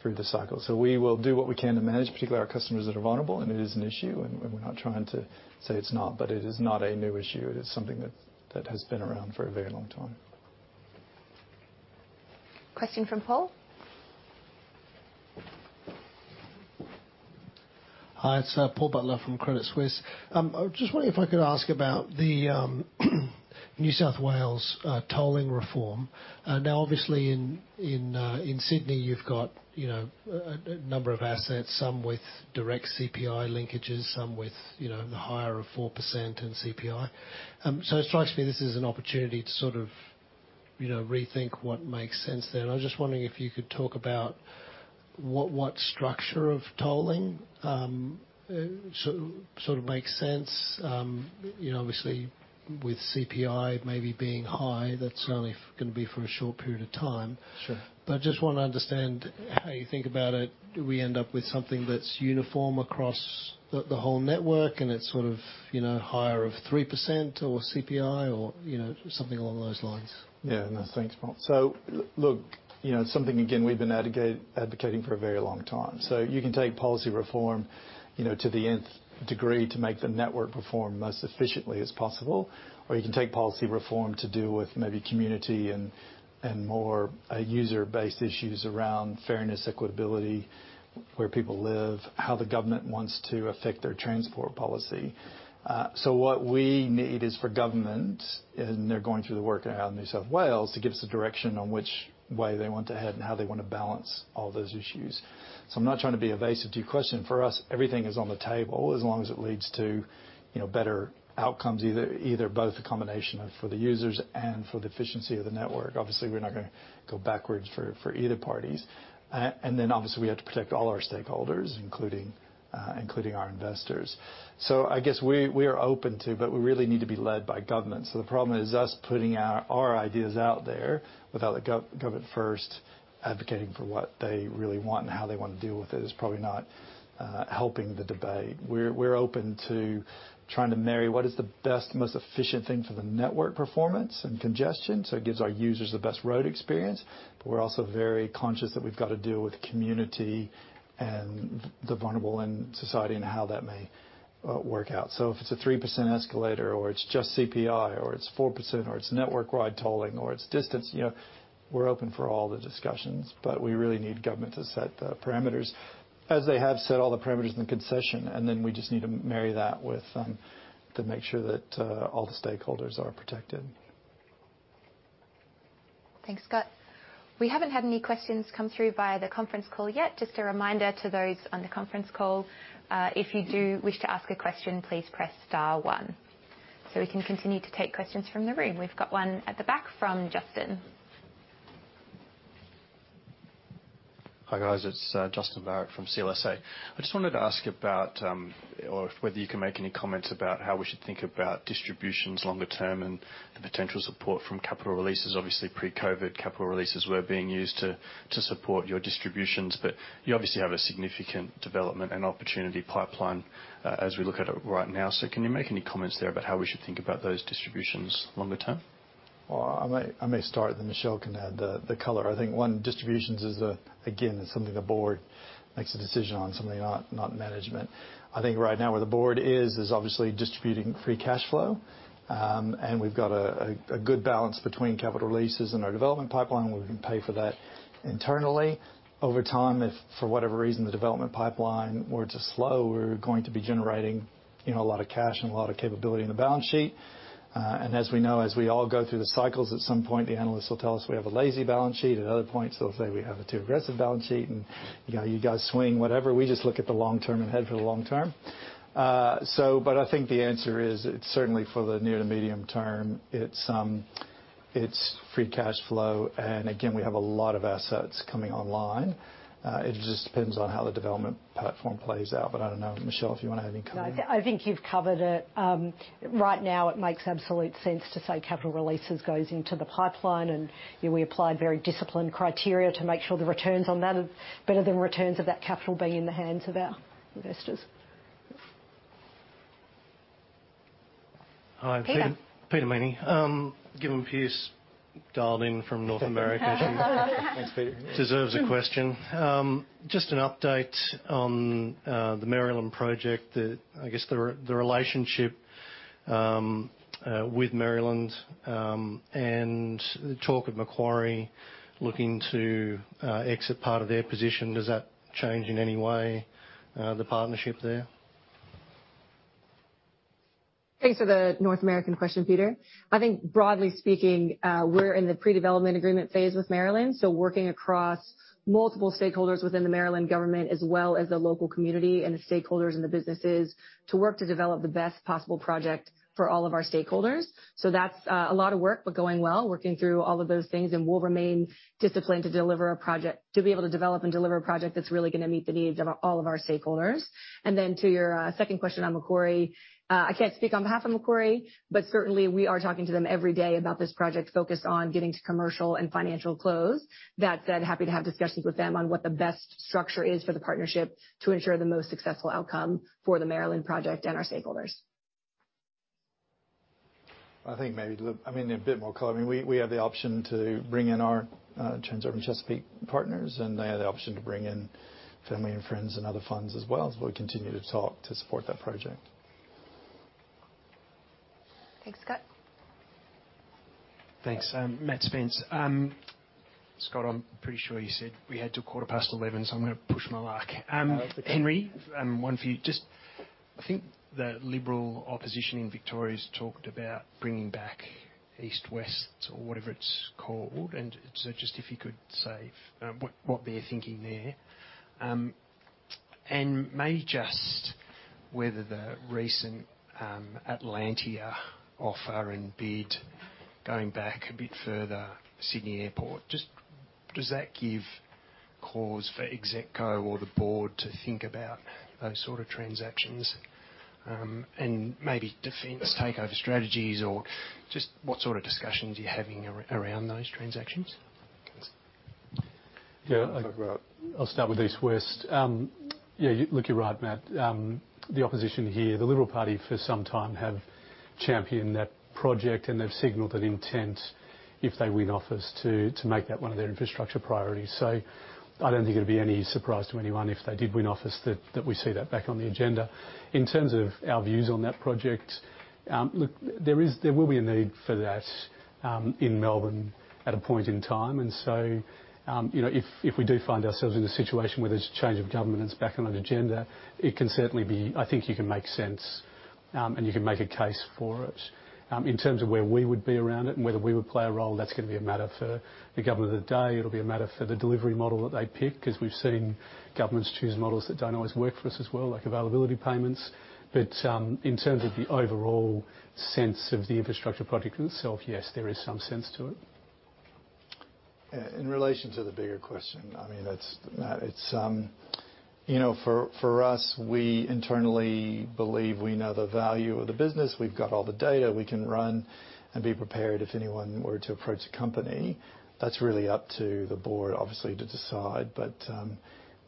through the cycle. We will do what we can to manage, particularly our customers that are vulnerable, and it is an issue, and we're not trying to say it's not. It is not a new issue. It is something that has been around for a very long time. Question from Paul. Hi, it's Paul Butler from Credit Suisse. I was just wondering if I could ask about the New South Wales tolling reform. Now, obviously in Sydney, you've got, you know, a number of assets, some with direct CPI linkages, some with, you know, the higher of 4% and CPI. So it strikes me this is an opportunity to sort of, you know, rethink what makes sense there. I was just wondering if you could talk about what structure of tolling sort of makes sense, you know, obviously with CPI maybe being high, that's only gonna be for a short period of time. Sure. I just wanna understand how you think about it. Do we end up with something that's uniform across the whole network, and it's sort of, you know, higher of 3% or CPI or, you know, something along those lines? Yeah. No, thanks, Paul. Look, you know, something again, we've been advocating for a very long time. You can take policy reform, you know, to the nth degree to make the network perform most efficiently as possible, or you can take policy reform to do with maybe community and more user-based issues around fairness, equitability, where people live, how the government wants to affect their transport policy. What we need is for government, and they're going through the work out in New South Wales, to give us a direction on which way they want to head and how they wanna balance all those issues. I'm not trying to be evasive to your question. For us, everything is on the table as long as it leads to, you know, better outcomes, either both a combination of for the users and for the efficiency of the network. Obviously, we're not gonna go backwards for either parties. Obviously we have to protect all our stakeholders, including our investors. I guess we are open to, but we really need to be led by government. The problem is us putting out our ideas out there without the government first advocating for what they really want and how they wanna deal with it is probably not helping the debate. We're open to trying to marry what is the best, most efficient thing for the network performance and congestion, so it gives our users the best road experience. We're also very conscious that we've gotta deal with community and the vulnerable in society and how that may work out. If it's a 3% escalator, or it's just CPI, or it's 4%, or it's network-wide tolling, or it's distance, you know, we're open for all the discussions, but we really need government to set the parameters as they have set all the parameters in the concession, and then we just need to marry that with to make sure that all the stakeholders are protected. Thanks, Scott. We haven't had any questions come through via the conference call yet. Just a reminder to those on the conference call, if you do wish to ask a question, please press star one. We can continue to take questions from the room. We've got one at the back from Justin. Hi, guys. It's Justin Barratt from CLSA. I just wanted to ask if you can make any comments about how we should think about distributions longer term and the potential support from capital releases. Obviously, pre-COVID, capital releases were being used to support your distributions, but you obviously have a significant development and opportunity pipeline as we look at it right now. Can you make any comments there about how we should think about those distributions longer term? Well, I may start, then Michelle can add the color. I think. One, distributions is again something the board makes a decision on, something not management. I think right now where the board is obviously distributing free cash flow, and we've got a good balance between capital releases and our development pipeline where we can pay for that internally. Over time, if for whatever reason, the development pipeline were to slow, we're going to be generating you know a lot of cash and a lot of capability in the balance sheet. As we know, as we all go through the cycles, at some point the analysts will tell us we have a lazy balance sheet. At other points, they'll say we have a too aggressive balance sheet, and you know you guys swing whatever. We just look at the long term and head for the long term. I think the answer is it's certainly for the near to medium term. It's free cash flow. Again, we have a lot of assets coming online. It just depends on how the development platform plays out. I don't know, Michelle, if you wanna add anything. No, I think you've covered it. Right now it makes absolute sense to say capital releases goes into the pipeline, and, you know, we apply very disciplined criteria to make sure the returns on that are better than returns of that capital being in the hands of our investors. Peter. Hi, I'm Peter Meany. Given Pierce dialed in from North America. Thanks, Peter. Deserves a question. Just an update on the Maryland project that I guess the relationship with Maryland and talk of Macquarie looking to exit part of their position, does that change in any way the partnership there? Thanks for the North American question, Peter. I think broadly speaking, we're in the pre-development agreement phase with Maryland, so working across multiple stakeholders within the Maryland government as well as the local community and the stakeholders and the businesses to work to develop the best possible project for all of our stakeholders. That's a lot of work, but going well, working through all of those things, and we'll remain disciplined to be able to develop and deliver a project that's really gonna meet the needs of all of our stakeholders. Then to your second question on Macquarie, I can't speak on behalf of Macquarie, but certainly we are talking to them every day about this project focused on getting to commercial and financial close. That said, happy to have discussions with them on what the best structure is for the partnership to ensure the most successful outcome for the Maryland project and our stakeholders. I think maybe look, I mean, a bit more color. I mean, we have the option to bring in our Transurban Chesapeake partners, and they have the option to bring in family and friends and other funds as well as we continue to talk to support that project. Thanks, Scott. Thanks. Matt Spence. Scott, I'm pretty sure you said we had till 11:15, so I'm gonna push my luck. Oh, okay. Henry, one for you. Just think the Liberal opposition in Victoria's talked about bringing back East West Link or whatever it's called, so just if you could say what they're thinking there. Maybe just whether the recent Atlantia offer and bid going back a bit further, Sydney Airport, just does that give cause for Exco or the board to think about those sort of transactions, and maybe defensive takeover strategies, or just what sort of discussions are you having around those transactions? Yeah. Talk about. I'll start with East West Link. Yeah, look, you're right, Matt. The opposition here, the Liberal Party for some time have championed that project, and they've signaled an intent if they win office to make that one of their infrastructure priorities. I don't think it'd be any surprise to anyone if they did win office that we see that back on the agenda. In terms of our views on that project, look, there will be a need for that in Melbourne at a point in time. You know, if we do find ourselves in a situation where there's a change of government and it's back on an agenda, it can certainly be. I think you can make sense and you can make a case for it. In terms of where we would be around it and whether we would play a role, that's gonna be a matter for the government of the day. It'll be a matter for the delivery model that they pick, 'cause we've seen governments choose models that don't always work for us as well, like availability payments. In terms of the overall sense of the infrastructure project itself, yes, there is some sense to it. Yeah, in relation to the bigger question, I mean, that's Matt, it's you know, for us, we internally believe we know the value of the business. We've got all the data we can run and be prepared if anyone were to approach the company. That's really up to the board obviously to decide, but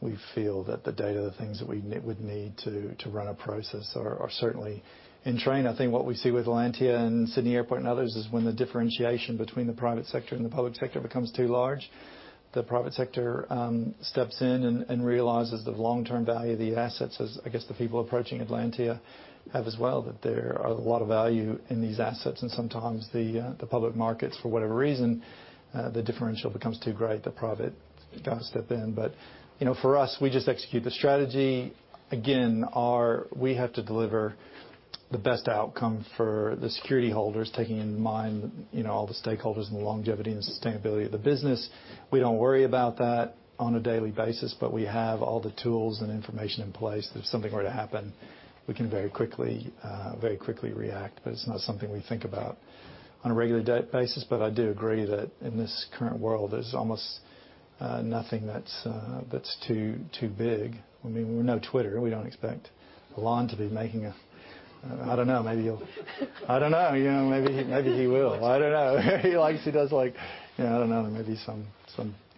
we feel that the data, the things that we would need to run a process are certainly in train. I think what we see with Atlantia and Sydney Airport and others is when the differentiation between the private sector and the public sector becomes too large, the private sector steps in and realizes the long-term value of the assets, as I guess the people approaching Atlantia have as well, that there are a lot of value in these assets, and sometimes the public markets, for whatever reason, the differential becomes too great, the private gotta step in. You know, for us, we just execute the strategy. Again, we have to deliver the best outcome for the security holders, taking in mind, you know, all the stakeholders and the longevity and sustainability of the business. We don't worry about that on a daily basis, but we have all the tools and information in place that if something were to happen, we can very quickly react. It's not something we think about on a regular basis. I do agree that in this current world, there's almost nothing that's too big. I mean, we're no Twitter. We don't expect Elon to be making a. I don't know, maybe he'll. I don't know. You know, maybe he will. I don't know. He likes. He does like. You know, I don't know, maybe some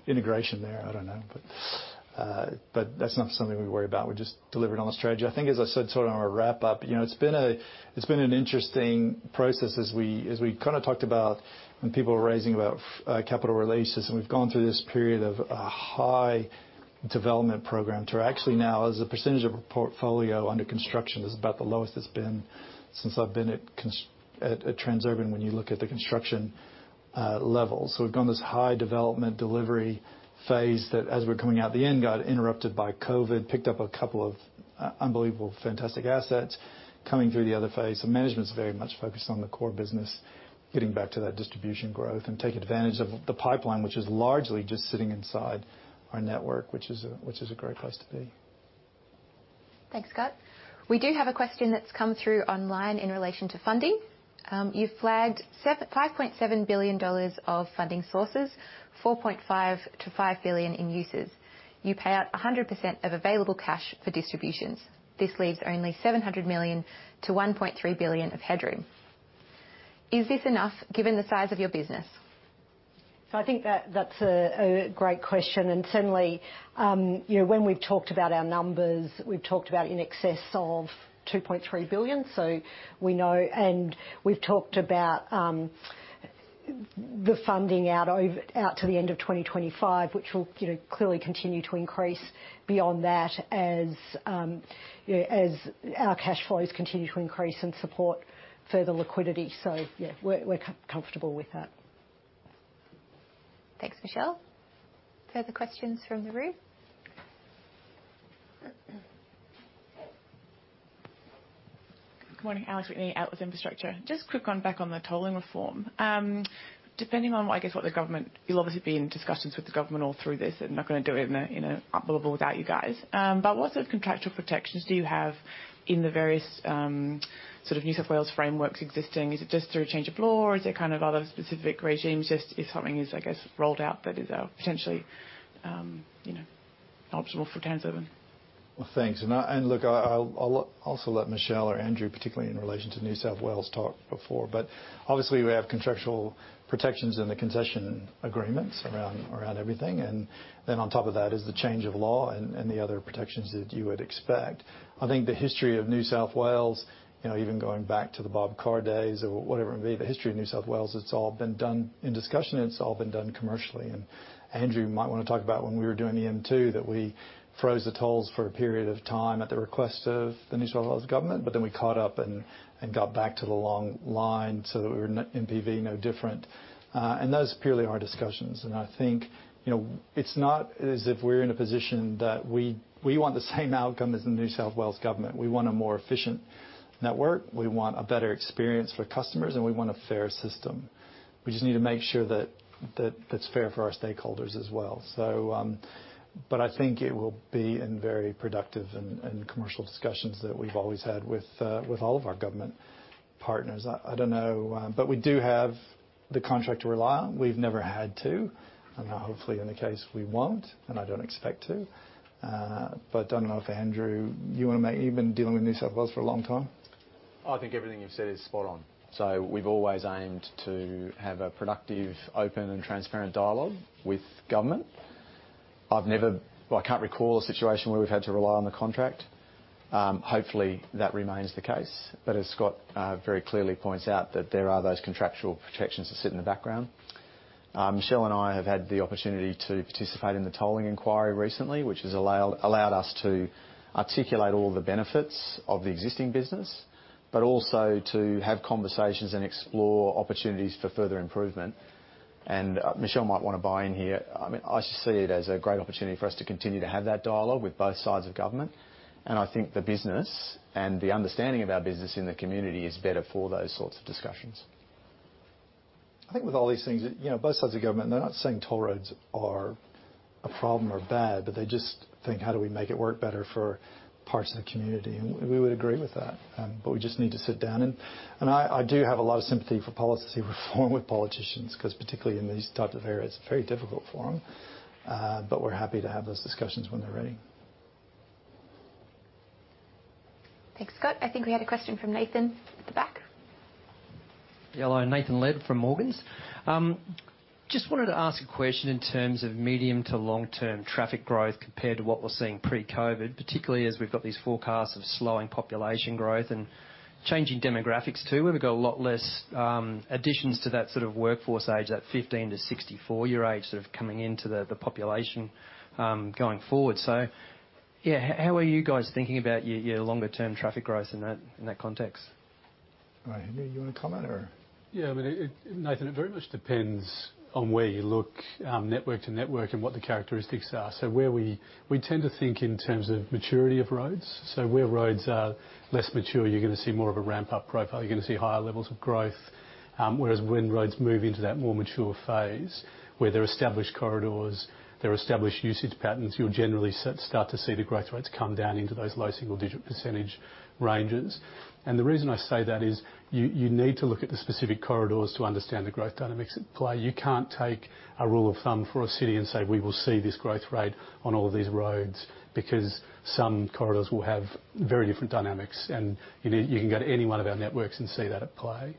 integration there. I don't know. But that's not something we worry about. We just deliver it on a strategy. I think, as I said, sort of on a wrap up, you know, it's been an interesting process as we kinda talked about when people were raising doubts about capital releases, and we've gone through this period of a high development program to actually now as a percentage of portfolio under construction is about the lowest it's been since I've been at Transurban when you look at the construction levels. We've gone this high development delivery phase that as we're coming out the end, got interrupted by COVID, picked up a couple of unbelievable, fantastic assets coming through the other phase. Management's very much focused on the core business, getting back to that distribution growth and take advantage of the pipeline, which is largely just sitting inside our network, which is a great place to be. Thanks, Scott. We do have a question that's come through online in relation to funding. You've flagged 5.7 billion dollars of funding sources, 4.5 billion-5 billion in uses. You pay out 100% of available cash for distributions. This leaves only 700 million-1.3 billion of headroom. Is this enough given the size of your business? I think that's a great question, and certainly, you know, when we've talked about our numbers, we've talked about in excess of 2.3 billion, so we know, and we've talked about the funding out to the end of 2025, which will, you know, clearly continue to increase beyond that as, you know, as our cash flows continue to increase and support further liquidity. Yeah, we're comfortable with that. Thanks, Michelle. Further questions from the room? Good morning. Alex Whitney, ATLAS Infrastructure. Just a quick one back on the tolling reform. Depending on what, I guess, the government, you'll obviously be in discussions with the government all through this and not gonna do it in a bubble without you guys. What sort of contractual protections do you have in the various sort of New South Wales frameworks existing? Is it just through a change of law, or is there kind of other specific regimes just if something is, I guess, rolled out that is potentially, you know, optional for Transurban? Well, thanks. I'll also let Michelle or Andrew, particularly in relation to New South Wales, talk before. Obviously we have contractual protections in the concession agreements around everything. Then on top of that is the change of law and the other protections that you would expect. I think the history of New South Wales, you know, even going back to the Bob Carr days or whatever it may be, the history of New South Wales, it's all been done in discussion, and it's all been done commercially. Andrew, you might wanna talk about when we were doing the M2, that we froze the tolls for a period of time at the request of the New South Wales government, but then we caught up and got back to the long line so that we were in NPV no different. Those are purely our discussions. I think, you know, it's not as if we're in a position that we want the same outcome as the New South Wales government. We want a more efficient network. We want a better experience for customers, and we want a fair system. We just need to make sure that that's fair for our stakeholders as well. I think it will be in very productive and commercial discussions that we've always had with all of our government partners. I don't know, but we do have the contract to rely on. We've never had to, and hopefully in the case we won't, and I don't expect to. I don't know if Andrew, you want to make. You've been dealing with New South Wales for a long time. I think everything you've said is spot on. We've always aimed to have a productive, open and transparent dialogue with government. Well, I can't recall a situation where we've had to rely on the contract. Hopefully that remains the case. As Scott very clearly points out that there are those contractual protections that sit in the background. Michelle and I have had the opportunity to participate in the tolling inquiry recently, which has allowed us to articulate all the benefits of the existing business, but also to have conversations and explore opportunities for further improvement. Michelle might wanna buy in here. I mean, I just see it as a great opportunity for us to continue to have that dialogue with both sides of government. I think the business and the understanding of our business in the community is better for those sorts of discussions. I think with all these things that, you know, both sides of government, they're not saying toll roads are a problem or bad, but they just think, "How do we make it work better for parts of the community?" We would agree with that, but we just need to sit down and I do have a lot of sympathy for policy reform with politicians, 'cause particularly in these types of areas, it's very difficult for them. We're happy to have those discussions when they're ready. Thanks, Scott. I think we had a question from Nathan at the back. Hello. Nathan Lead from Morgans. Just wanted to ask a question in terms of medium- to long-term traffic growth compared to what we're seeing pre-COVID, particularly as we've got these forecasts of slowing population growth and changing demographics too, where we've got a lot less additions to that sort of workforce age, that 15- to 64-year age sort of coming into the population going forward. Yeah, how are you guys thinking about your longer term traffic growth in that context? All right. Henry, you wanna comment or? Yeah. I mean, Nathan, it very much depends on where you look, network to network and what the characteristics are. Where we tend to think in terms of maturity of roads. Where roads are less mature, you're gonna see more of a ramp-up profile, you're gonna see higher levels of growth. Whereas when roads move into that more mature phase where there are established corridors, there are established usage patterns, you'll generally start to see the growth rates come down into those low single digit percentage ranges. The reason I say that is you need to look at the specific corridors to understand the growth dynamics at play. You can't take a rule of thumb for a city and say, "We will see this growth rate on all of these roads," because some corridors will have very different dynamics. You can go to any one of our networks and see that at play.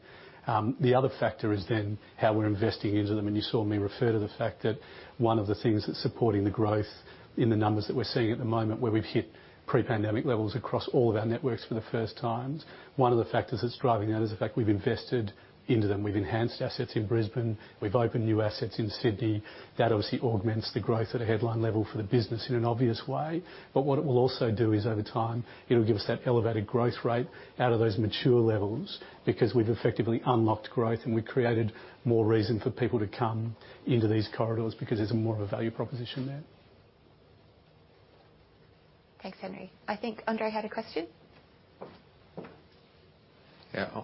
The other factor is then how we're investing into them. You saw me refer to the fact that one of the things that's supporting the growth in the numbers that we're seeing at the moment where we've hit pre-pandemic levels across all of our networks for the first time, one of the factors that's driving that is the fact we've invested into them. We've enhanced assets in Brisbane. We've opened new assets in Sydney. That obviously augments the growth at a headline level for the business in an obvious way. What it will also do is over time, it'll give us that elevated growth rate out of those mature levels because we've effectively unlocked growth, and we've created more reason for people to come into these corridors because there's more of a value proposition there. Thanks, Henry. I think Andre had a question.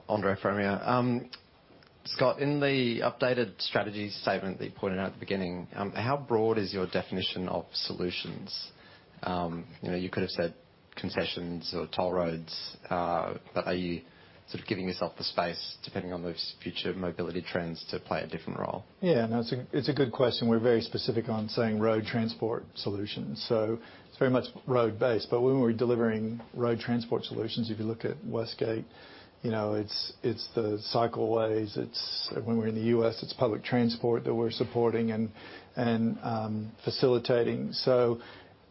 Andre from here. Scott, in the updated strategy statement that you pointed out at the beginning, how broad is your definition of solutions? You know, you could have said concessions or toll roads, but are you sort of giving yourself the space, depending on those future mobility trends, to play a different role? Yeah, no, it's a good question. We're very specific on saying road transport solutions, so it's very much road-based. But when we're delivering road transport solutions, if you look at West Gate, you know, it's the cycleways. It's when we're in the US, it's public transport that we're supporting and facilitating.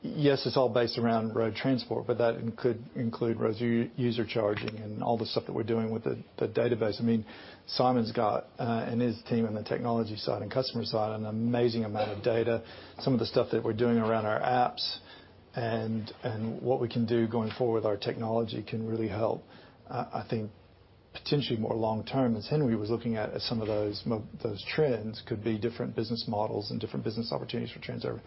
Yes, it's all based around road transport, but that could include road user charging and all the stuff that we're doing with the database. I mean, Simon's got and his team on the technology side and customer side an amazing amount of data. Some of the stuff that we're doing around our apps and what we can do going forward with our technology can really help, I think. Potentially more long term, as Henry was looking at some of those trends could be different business models and different business opportunities for Transurban.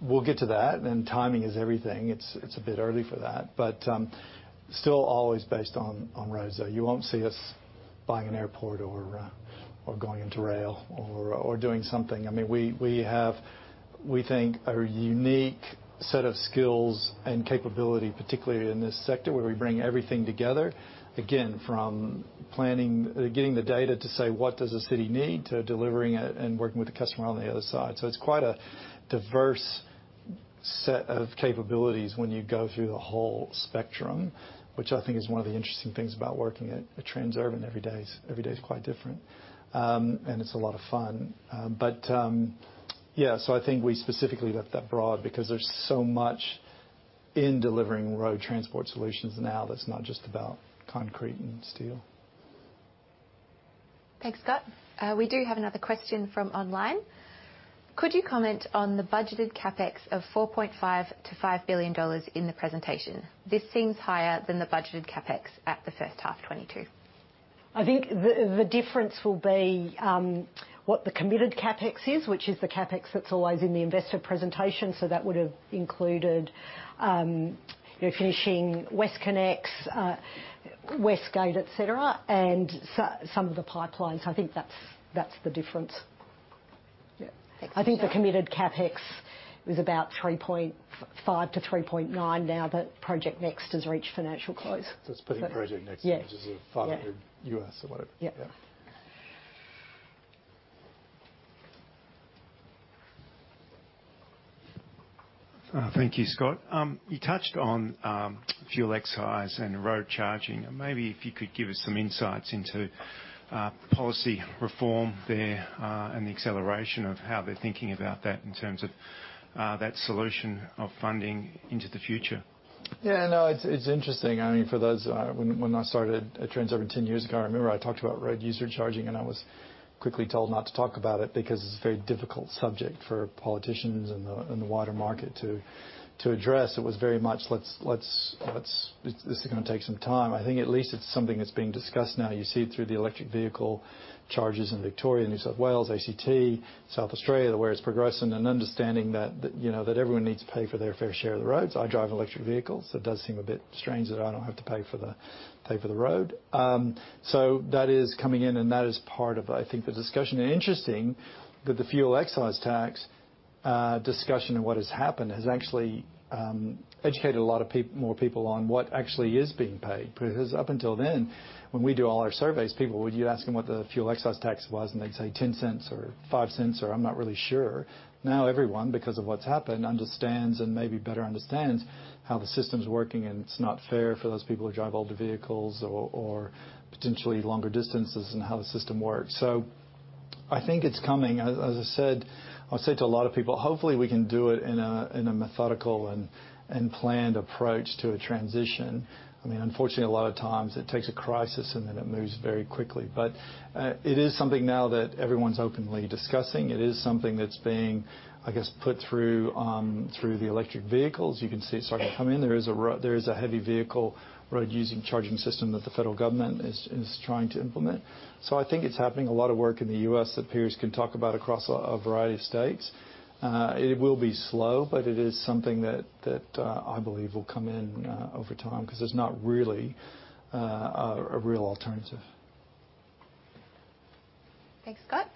We'll get to that, and timing is everything. It's a bit early for that. Still always based on roads though. You won't see us buying an airport or going into rail or doing something. I mean, we have, we think, a unique set of skills and capability, particularly in this sector, where we bring everything together. Again, from planning, getting the data to say what does the city need to delivering it and working with the customer on the other side. It's quite a diverse set of capabilities when you go through the whole spectrum, which I think is one of the interesting things about working at Transurban every day. Every day is quite different. It's a lot of fun. I think we specifically left that broad because there's so much in delivering road transport solutions now that's not just about concrete and steel. Thanks, Scott. We do have another question from online. Could you comment on the budgeted CapEx of 4.5 billion-5 billion dollars in the presentation? This seems higher than the budgeted CapEx at the H1 2022. I think the difference will be what the committed CapEx is, which is the CapEx that's always in the investor presentation. That would have included, you know, finishing WestConnex, West Gate, et cetera, and some of the pipelines. I think that's the difference. Yeah. Thanks. I think the committed CapEx was about $3.5-$3.9 now that Project NEXT has reached financial close. It's putting Project NEXT. Yeah. Which is a $500 or whatever. Yeah. Yeah. Thank you, Scott. You touched on fuel excise and road charging. Maybe if you could give us some insights into policy reform there, and the acceleration of how they're thinking about that in terms of that solution of funding into the future. Yeah, no, it's interesting. I mean, for those, when I started at Transurban 10 years ago, I remember I talked about road user charging, and I was quickly told not to talk about it because it's a very difficult subject for politicians and the wider market to address. It was very much this is gonna take some time. I think at least it's something that's being discussed now. You see it through the electric vehicle charges in Victoria and New South Wales, ACT, South Australia, where it's progressing and understanding that, you know, that everyone needs to pay for their fair share of the roads. I drive electric vehicles. It does seem a bit strange that I don't have to pay for the road. That is coming in, and that is part of, I think, the discussion. Interesting that the fuel excise tax discussion and what has happened has actually educated more people on what actually is being paid. Because up until then, when we do all our surveys, people, you'd ask them what the fuel excise tax was, and they'd say $0.10 Or $0.05, or I'm not really sure. Now everyone, because of what's happened, understands and maybe better understands how the system's working, and it's not fair for those people who drive older vehicles or potentially longer distances and how the system works. I think it's coming. As I said to a lot of people, hopefully we can do it in a methodical and planned approach to a transition. I mean, unfortunately, a lot of times it takes a crisis, and then it moves very quickly. It is something now that everyone's openly discussing. It is something that's being, I guess, put through the electric vehicles. You can see it starting to come in. There is a heavy vehicle road-user charging system that the federal government is trying to implement. I think it's happening. A lot of work in the U.S. that peers can talk about across a variety of states. It will be slow, but it is something that I believe will come in over time because there's not really a real alternative. Thanks, Scott.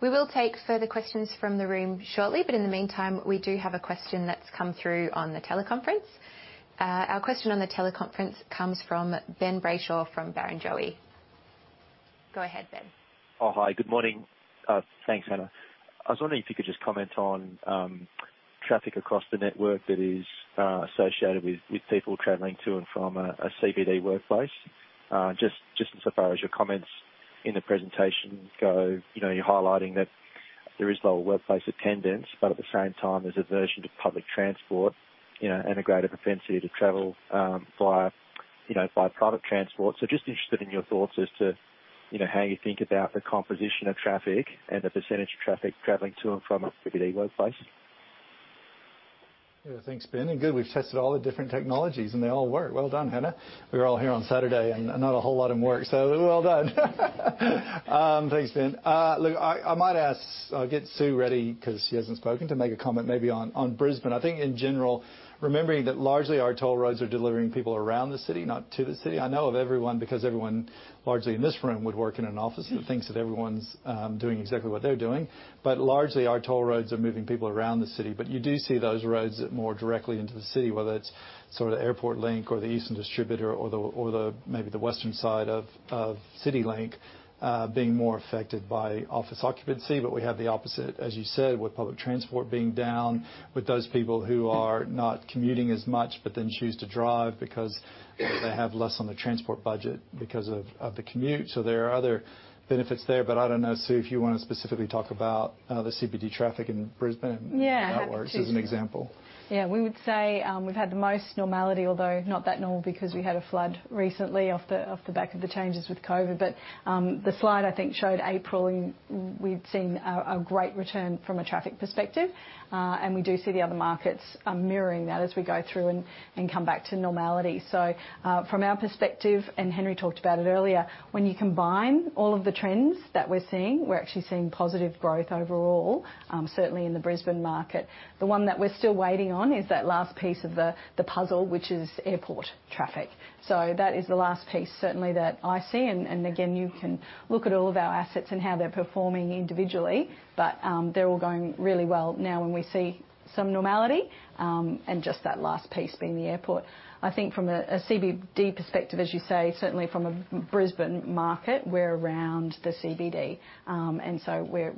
We will take further questions from the room shortly, but in the meantime, we do have a question that's come through on the teleconference. Our question on the teleconference comes from Ben Brayshaw from Barrenjoey. Go ahead, Ben. Oh, hi. Good morning. Thanks, Hannah. I was wondering if you could just comment on traffic across the network that is associated with people traveling to and from a CBD workplace. Just insofar as your comments in the presentation go, you know, you're highlighting that there is low workplace attendance, but at the same time, there's aversion to public transport, you know, and a greater propensity to travel via, you know, by private transport. Just interested in your thoughts as to, you know, how you think about the composition of traffic and the percentage of traffic traveling to and from a CBD workplace. Yeah. Thanks, Ben. Good, we've tested all the different technologies, and they all work. Well done, Hannah. We're all here on Saturday, and not a whole lot of them work, so well done. Thanks, Ben. Look, I might get Sue ready because she hasn't spoken to make a comment maybe on Brisbane. I think in general, remembering that largely our toll roads are delivering people around the city, not to the city. I know of everyone because everyone largely in this room would work in an office that thinks that everyone's doing exactly what they're doing. Largely, our toll roads are moving people around the city. You do see those roads more directly into the city, whether it's sort of AirportlinkM7 or the Eastern Distributor or the maybe the western side of CityLink being more affected by office occupancy. We have the opposite, as you said, with public transport being down, with those people who are not commuting as much, but then choose to drive because they have less on their transport budget because of the commute. There are other benefits there. I don't know, Sue, if you wanna specifically talk about the CBD traffic in Brisbane. Yeah. How it works as an example. We would say we've had the most normality, although not that normal because we had a flood recently off the back of the changes with COVID. The slide, I think, showed April, and we've seen a great return from a traffic perspective. We do see the other markets mirroring that as we go through and come back to normality. From our perspective, and Henry talked about it earlier, when you combine all of the trends that we're seeing, we're actually seeing positive growth overall, certainly in the Brisbane market. The one that we're still waiting on is that last piece of the puzzle, which is airport traffic. That is the last piece certainly that I see. Again, you can look at all of our assets and how they're performing individually, but they're all going really well now when we see some normality, and just that last piece being the airport. I think from a CBD perspective, as you say, certainly from a Brisbane market, we're around the CBD.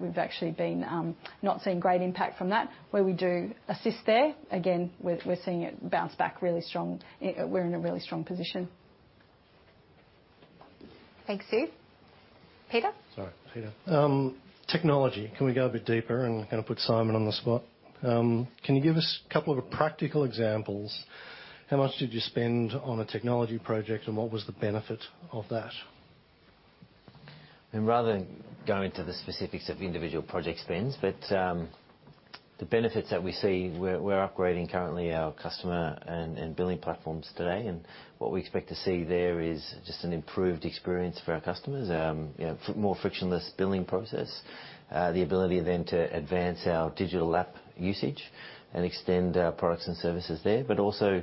We've actually been not seeing great impact from that. Where we do assist there, again, we're seeing it bounce back really strong. We're in a really strong position. Thanks, Sue. Peter? Sorry, Peter. Technology, can we go a bit deeper and kinda put Simon on the spot? Can you give us a couple of practical examples? How much did you spend on a technology project, and what was the benefit of that? Rather than go into the specifics of individual project spends, the benefits that we see, we're upgrading currently our customer and billing platforms today. What we expect to see there is just an improved experience for our customers. You know, more frictionless billing process. The ability then to advance our digital app usage and extend our products and services there. Also,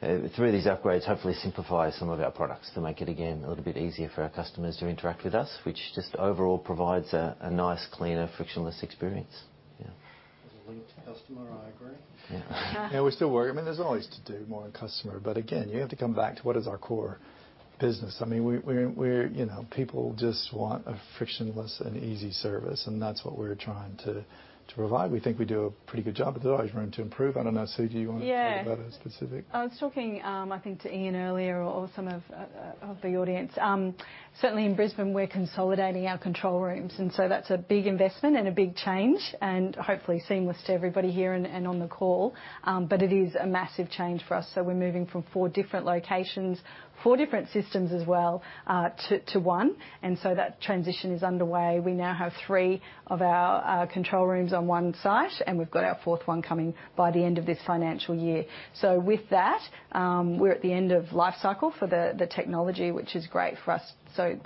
through these upgrades, hopefully simplify some of our products to make it, again, a little bit easier for our customers to interact with us, which just overall provides a nice, cleaner, frictionless experience. Yeah. There's a link to customer, I agree. Yeah. Yeah, we're still working. I mean, there's always more to do on customer, but again, you have to come back to what is our core business. I mean, we're, you know, people just want a frictionless and easy service, and that's what we're trying to provide. We think we do a pretty good job, but there's always room to improve. I don't know, Sue, do you wanna talk about a specific- Yeah. I was talking, I think to Ian earlier or some of the audience. Certainly in Brisbane, we're consolidating our control rooms, and so that's a big investment and a big change, and hopefully seamless to everybody here and on the call. It is a massive change for us, so we're moving from four different locations, four different systems as well, to one. That transition is underway. We now have three of our control rooms on one site, and we've got our fourth one coming by the end of this financial year. With that, we're at the end of lifecycle for the technology, which is great for us. So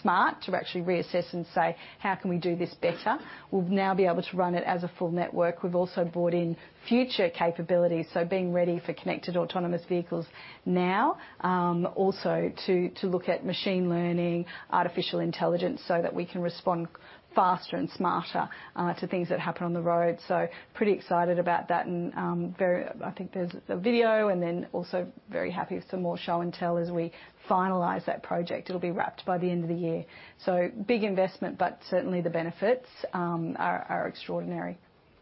smart to actually reassess and say, "How can we do this better?" We'll now be able to run it as a full network. We've also brought in future capabilities, so being ready for connected autonomous vehicles now. Also to look at machine learning, artificial intelligence, so that we can respond faster and smarter to things that happen on the road. Pretty excited about that and I think there's a video, and then also very happy with some more show and tell as we finalize that project. It'll be wrapped by the end of the year. Big investment, but certainly the benefits are extraordinary.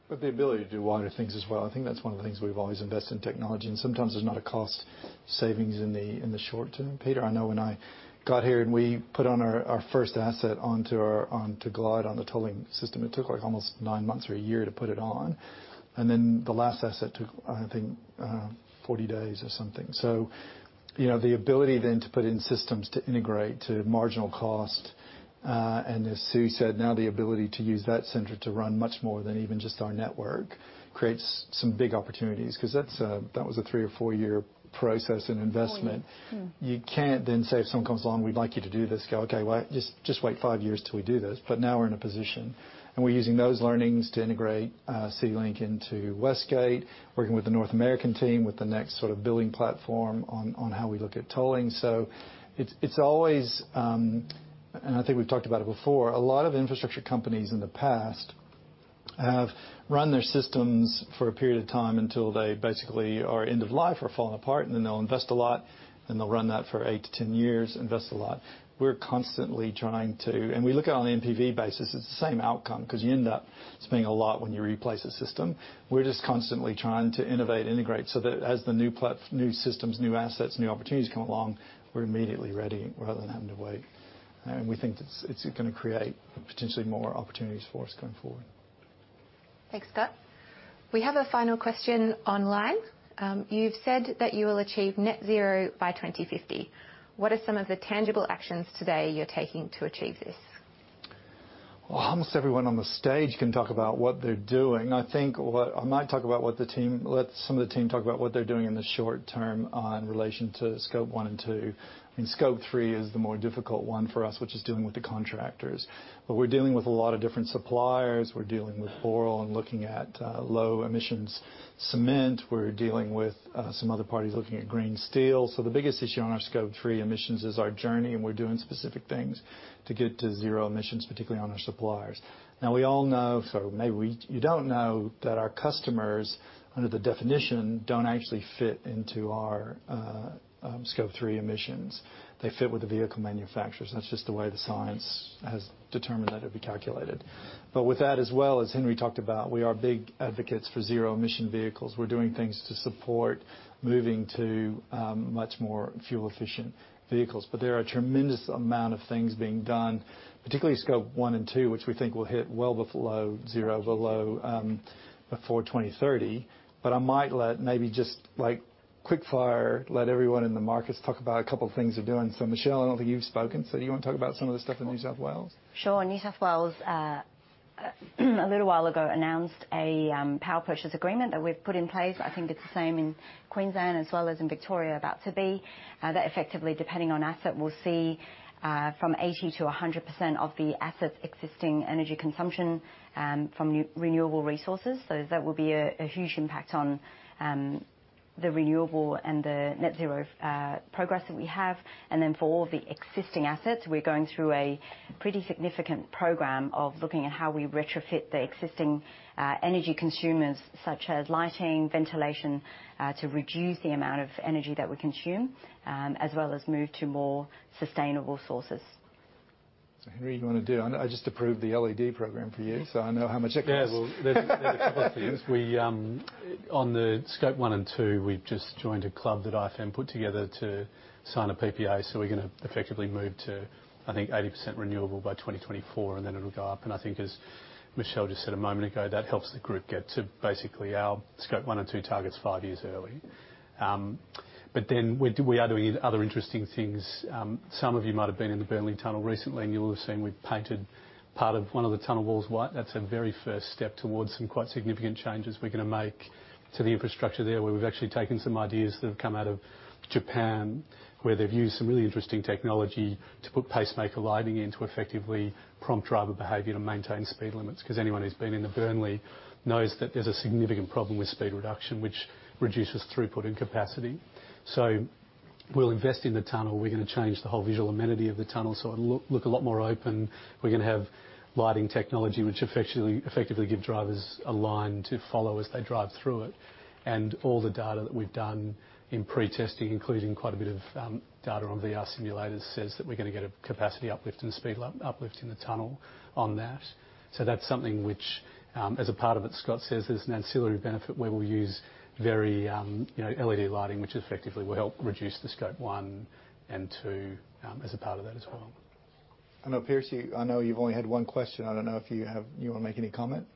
The ability to do wider things as well, I think that's one of the things we've always invested in technology, and sometimes there's not a cost savings in the short term. Peter Meany, I know when I got here, and we put our first asset onto our GLIDe on the tolling system, it took like almost nine months or a year to put it on. Then the last asset took, I think, 40 days or something. You know, the ability then to put in systems to integrate to marginal cost, and as Sue Johnson said, now the ability to use that center to run much more than even just our network creates some big opportunities 'cause that was a three or four-year process and investment. Four years. Mm-hmm. You can't then say, if someone comes along, "We'd like you to do this." Go, "Okay, wait, just wait 5 years till we do this." Now we're in a position, and we're using those learnings to integrate CityLink into West Gate, working with the North American team with the next sort of billing platform on how we look at tolling. It's always. I think we've talked about it before. A lot of infrastructure companies in the past have run their systems for a period of time until they basically are end of life or falling apart, and then they'll invest a lot, then they'll run that for 8-10 years, invest a lot. We're constantly trying to. We look at it on an NPV basis. It's the same outcome 'cause you end up spending a lot when you replace a system. We're just constantly trying to innovate, integrate, so that as the new systems, new assets, new opportunities come along, we're immediately ready rather than having to wait. We think it's gonna create potentially more opportunities for us going forward. Thanks, Scott. We have a final question online. You've said that you will achieve net zero by 2050. What are some of the tangible actions today you're taking to achieve this? Well, almost everyone on the stage can talk about what they're doing. I might let some of the team talk about what they're doing in the short term in relation to scope one and two. Scope three is the more difficult one for us, which is dealing with the contractors. We're dealing with a lot of different suppliers. We're dealing with Boral and looking at low emissions cement. We're dealing with some other parties looking at green steel. The biggest issue on our scope three emissions is our journey, and we're doing specific things to get to zero emissions, particularly on our suppliers. Now, we all know. Maybe you don't know that our customers, under the definition, don't actually fit into our scope three emissions. They fit with the vehicle manufacturers. That's just the way the science has determined that it'd be calculated. With that as well, as Henry talked about, we are big advocates for zero-emission vehicles. We're doing things to support moving to much more fuel-efficient vehicles. There are a tremendous amount of things being done, particularly Scope 1 and 2, which we think will hit well below zero, below before 2030. I might let maybe just like quick-fire let everyone in the markets talk about a couple things they're doing. Michelle, I don't think you've spoken, so do you wanna talk about some of the stuff in New South Wales? Sure. New South Wales a little while ago announced a power purchase agreement that we've put in place. I think it's the same in Queensland as well as in Victoria about to be. That effectively, depending on asset, will see from 80%-100% of the asset's existing energy consumption from renewable resources. That will be a huge impact on the renewable and the net zero progress that we have. Then for all of the existing assets, we're going through a pretty significant program of looking at how we retrofit the existing energy consumers such as lighting, ventilation to reduce the amount of energy that we consume as well as move to more sustainable sources. Henry, I just approved the LED program for you, so I know how much it costs. Yeah, well, there's a couple of things. We, on the Scope 1 and 2, we've just joined a club that IFM put together to sign a PPA, so we're gonna effectively move to, I think, 80% renewable by 2024, and then it'll go up. I think as Michelle just said a moment ago, that helps the group get to basically our Scope 1 and 2 targets five years early. We are doing other interesting things. Some of you might have been in the Burnley Tunnel recently, and you'll have seen we've painted part of one of the tunnel walls white. That's a very first step towards some quite significant changes we're gonna make to the infrastructure there, where we've actually taken some ideas that have come out of Japan, where they've used some really interesting technology to put pacemaker lighting in to effectively prompt driver behavior to maintain speed limits. 'Cause anyone who's been in the Burnley knows that there's a significant problem with speed reduction, which reduces throughput and capacity. We'll invest in the tunnel. We're gonna change the whole visual amenity of the tunnel, so it'll look a lot more open. We're gonna have lighting technology which effectively give drivers a line to follow as they drive through it. All the data that we've done in pre-testing, including quite a bit of data on VR simulators, says that we're gonna get a capacity uplift and speed uplift in the tunnel on that. That's something which, as a part of it, Scott says, is an ancillary benefit where we'll use very, you know, LED lighting, which effectively will help reduce the scope 1 and 2, as a part of that as well. I know you've only had one question. I don't know if you wanna make any comment.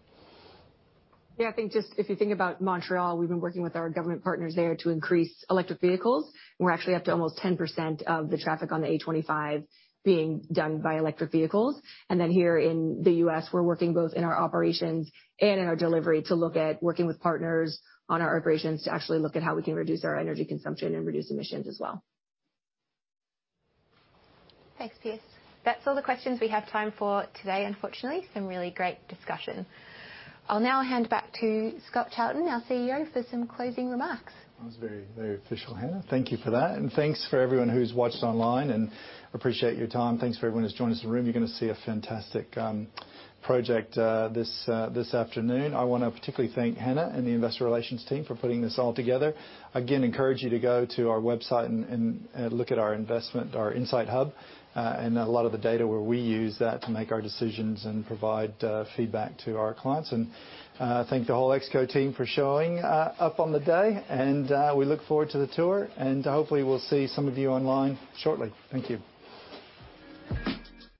Yeah, I think just if you think about Montreal, we've been working with our government partners there to increase electric vehicles. We're actually up to almost 10% of the traffic on the A25 being done by electric vehicles. Then here in the U.S., we're working both in our operations and in our delivery to look at working with partners on our operations to actually look at how we can reduce our energy consumption and reduce emissions as well. Thanks, Pierce. That's all the questions we have time for today, unfortunately. Some really great discussion. I'll now hand back to Scott Charlton, our CEO, for some closing remarks. That was very, very official, Hannah. Thank you for that, and thanks for everyone who's watched online and appreciate your time. Thanks for everyone who's joined us in the room. You're gonna see a fantastic project this afternoon. I wanna particularly thank Hannah and the investor relations team for putting this all together. Again, encourage you to go to our website and look at our investment, our insight hub, and a lot of the data where we use that to make our decisions and provide feedback to our clients. Thank the whole Exco team for showing up on the day, and we look forward to the tour, and hopefully we'll see some of you online shortly. Thank you.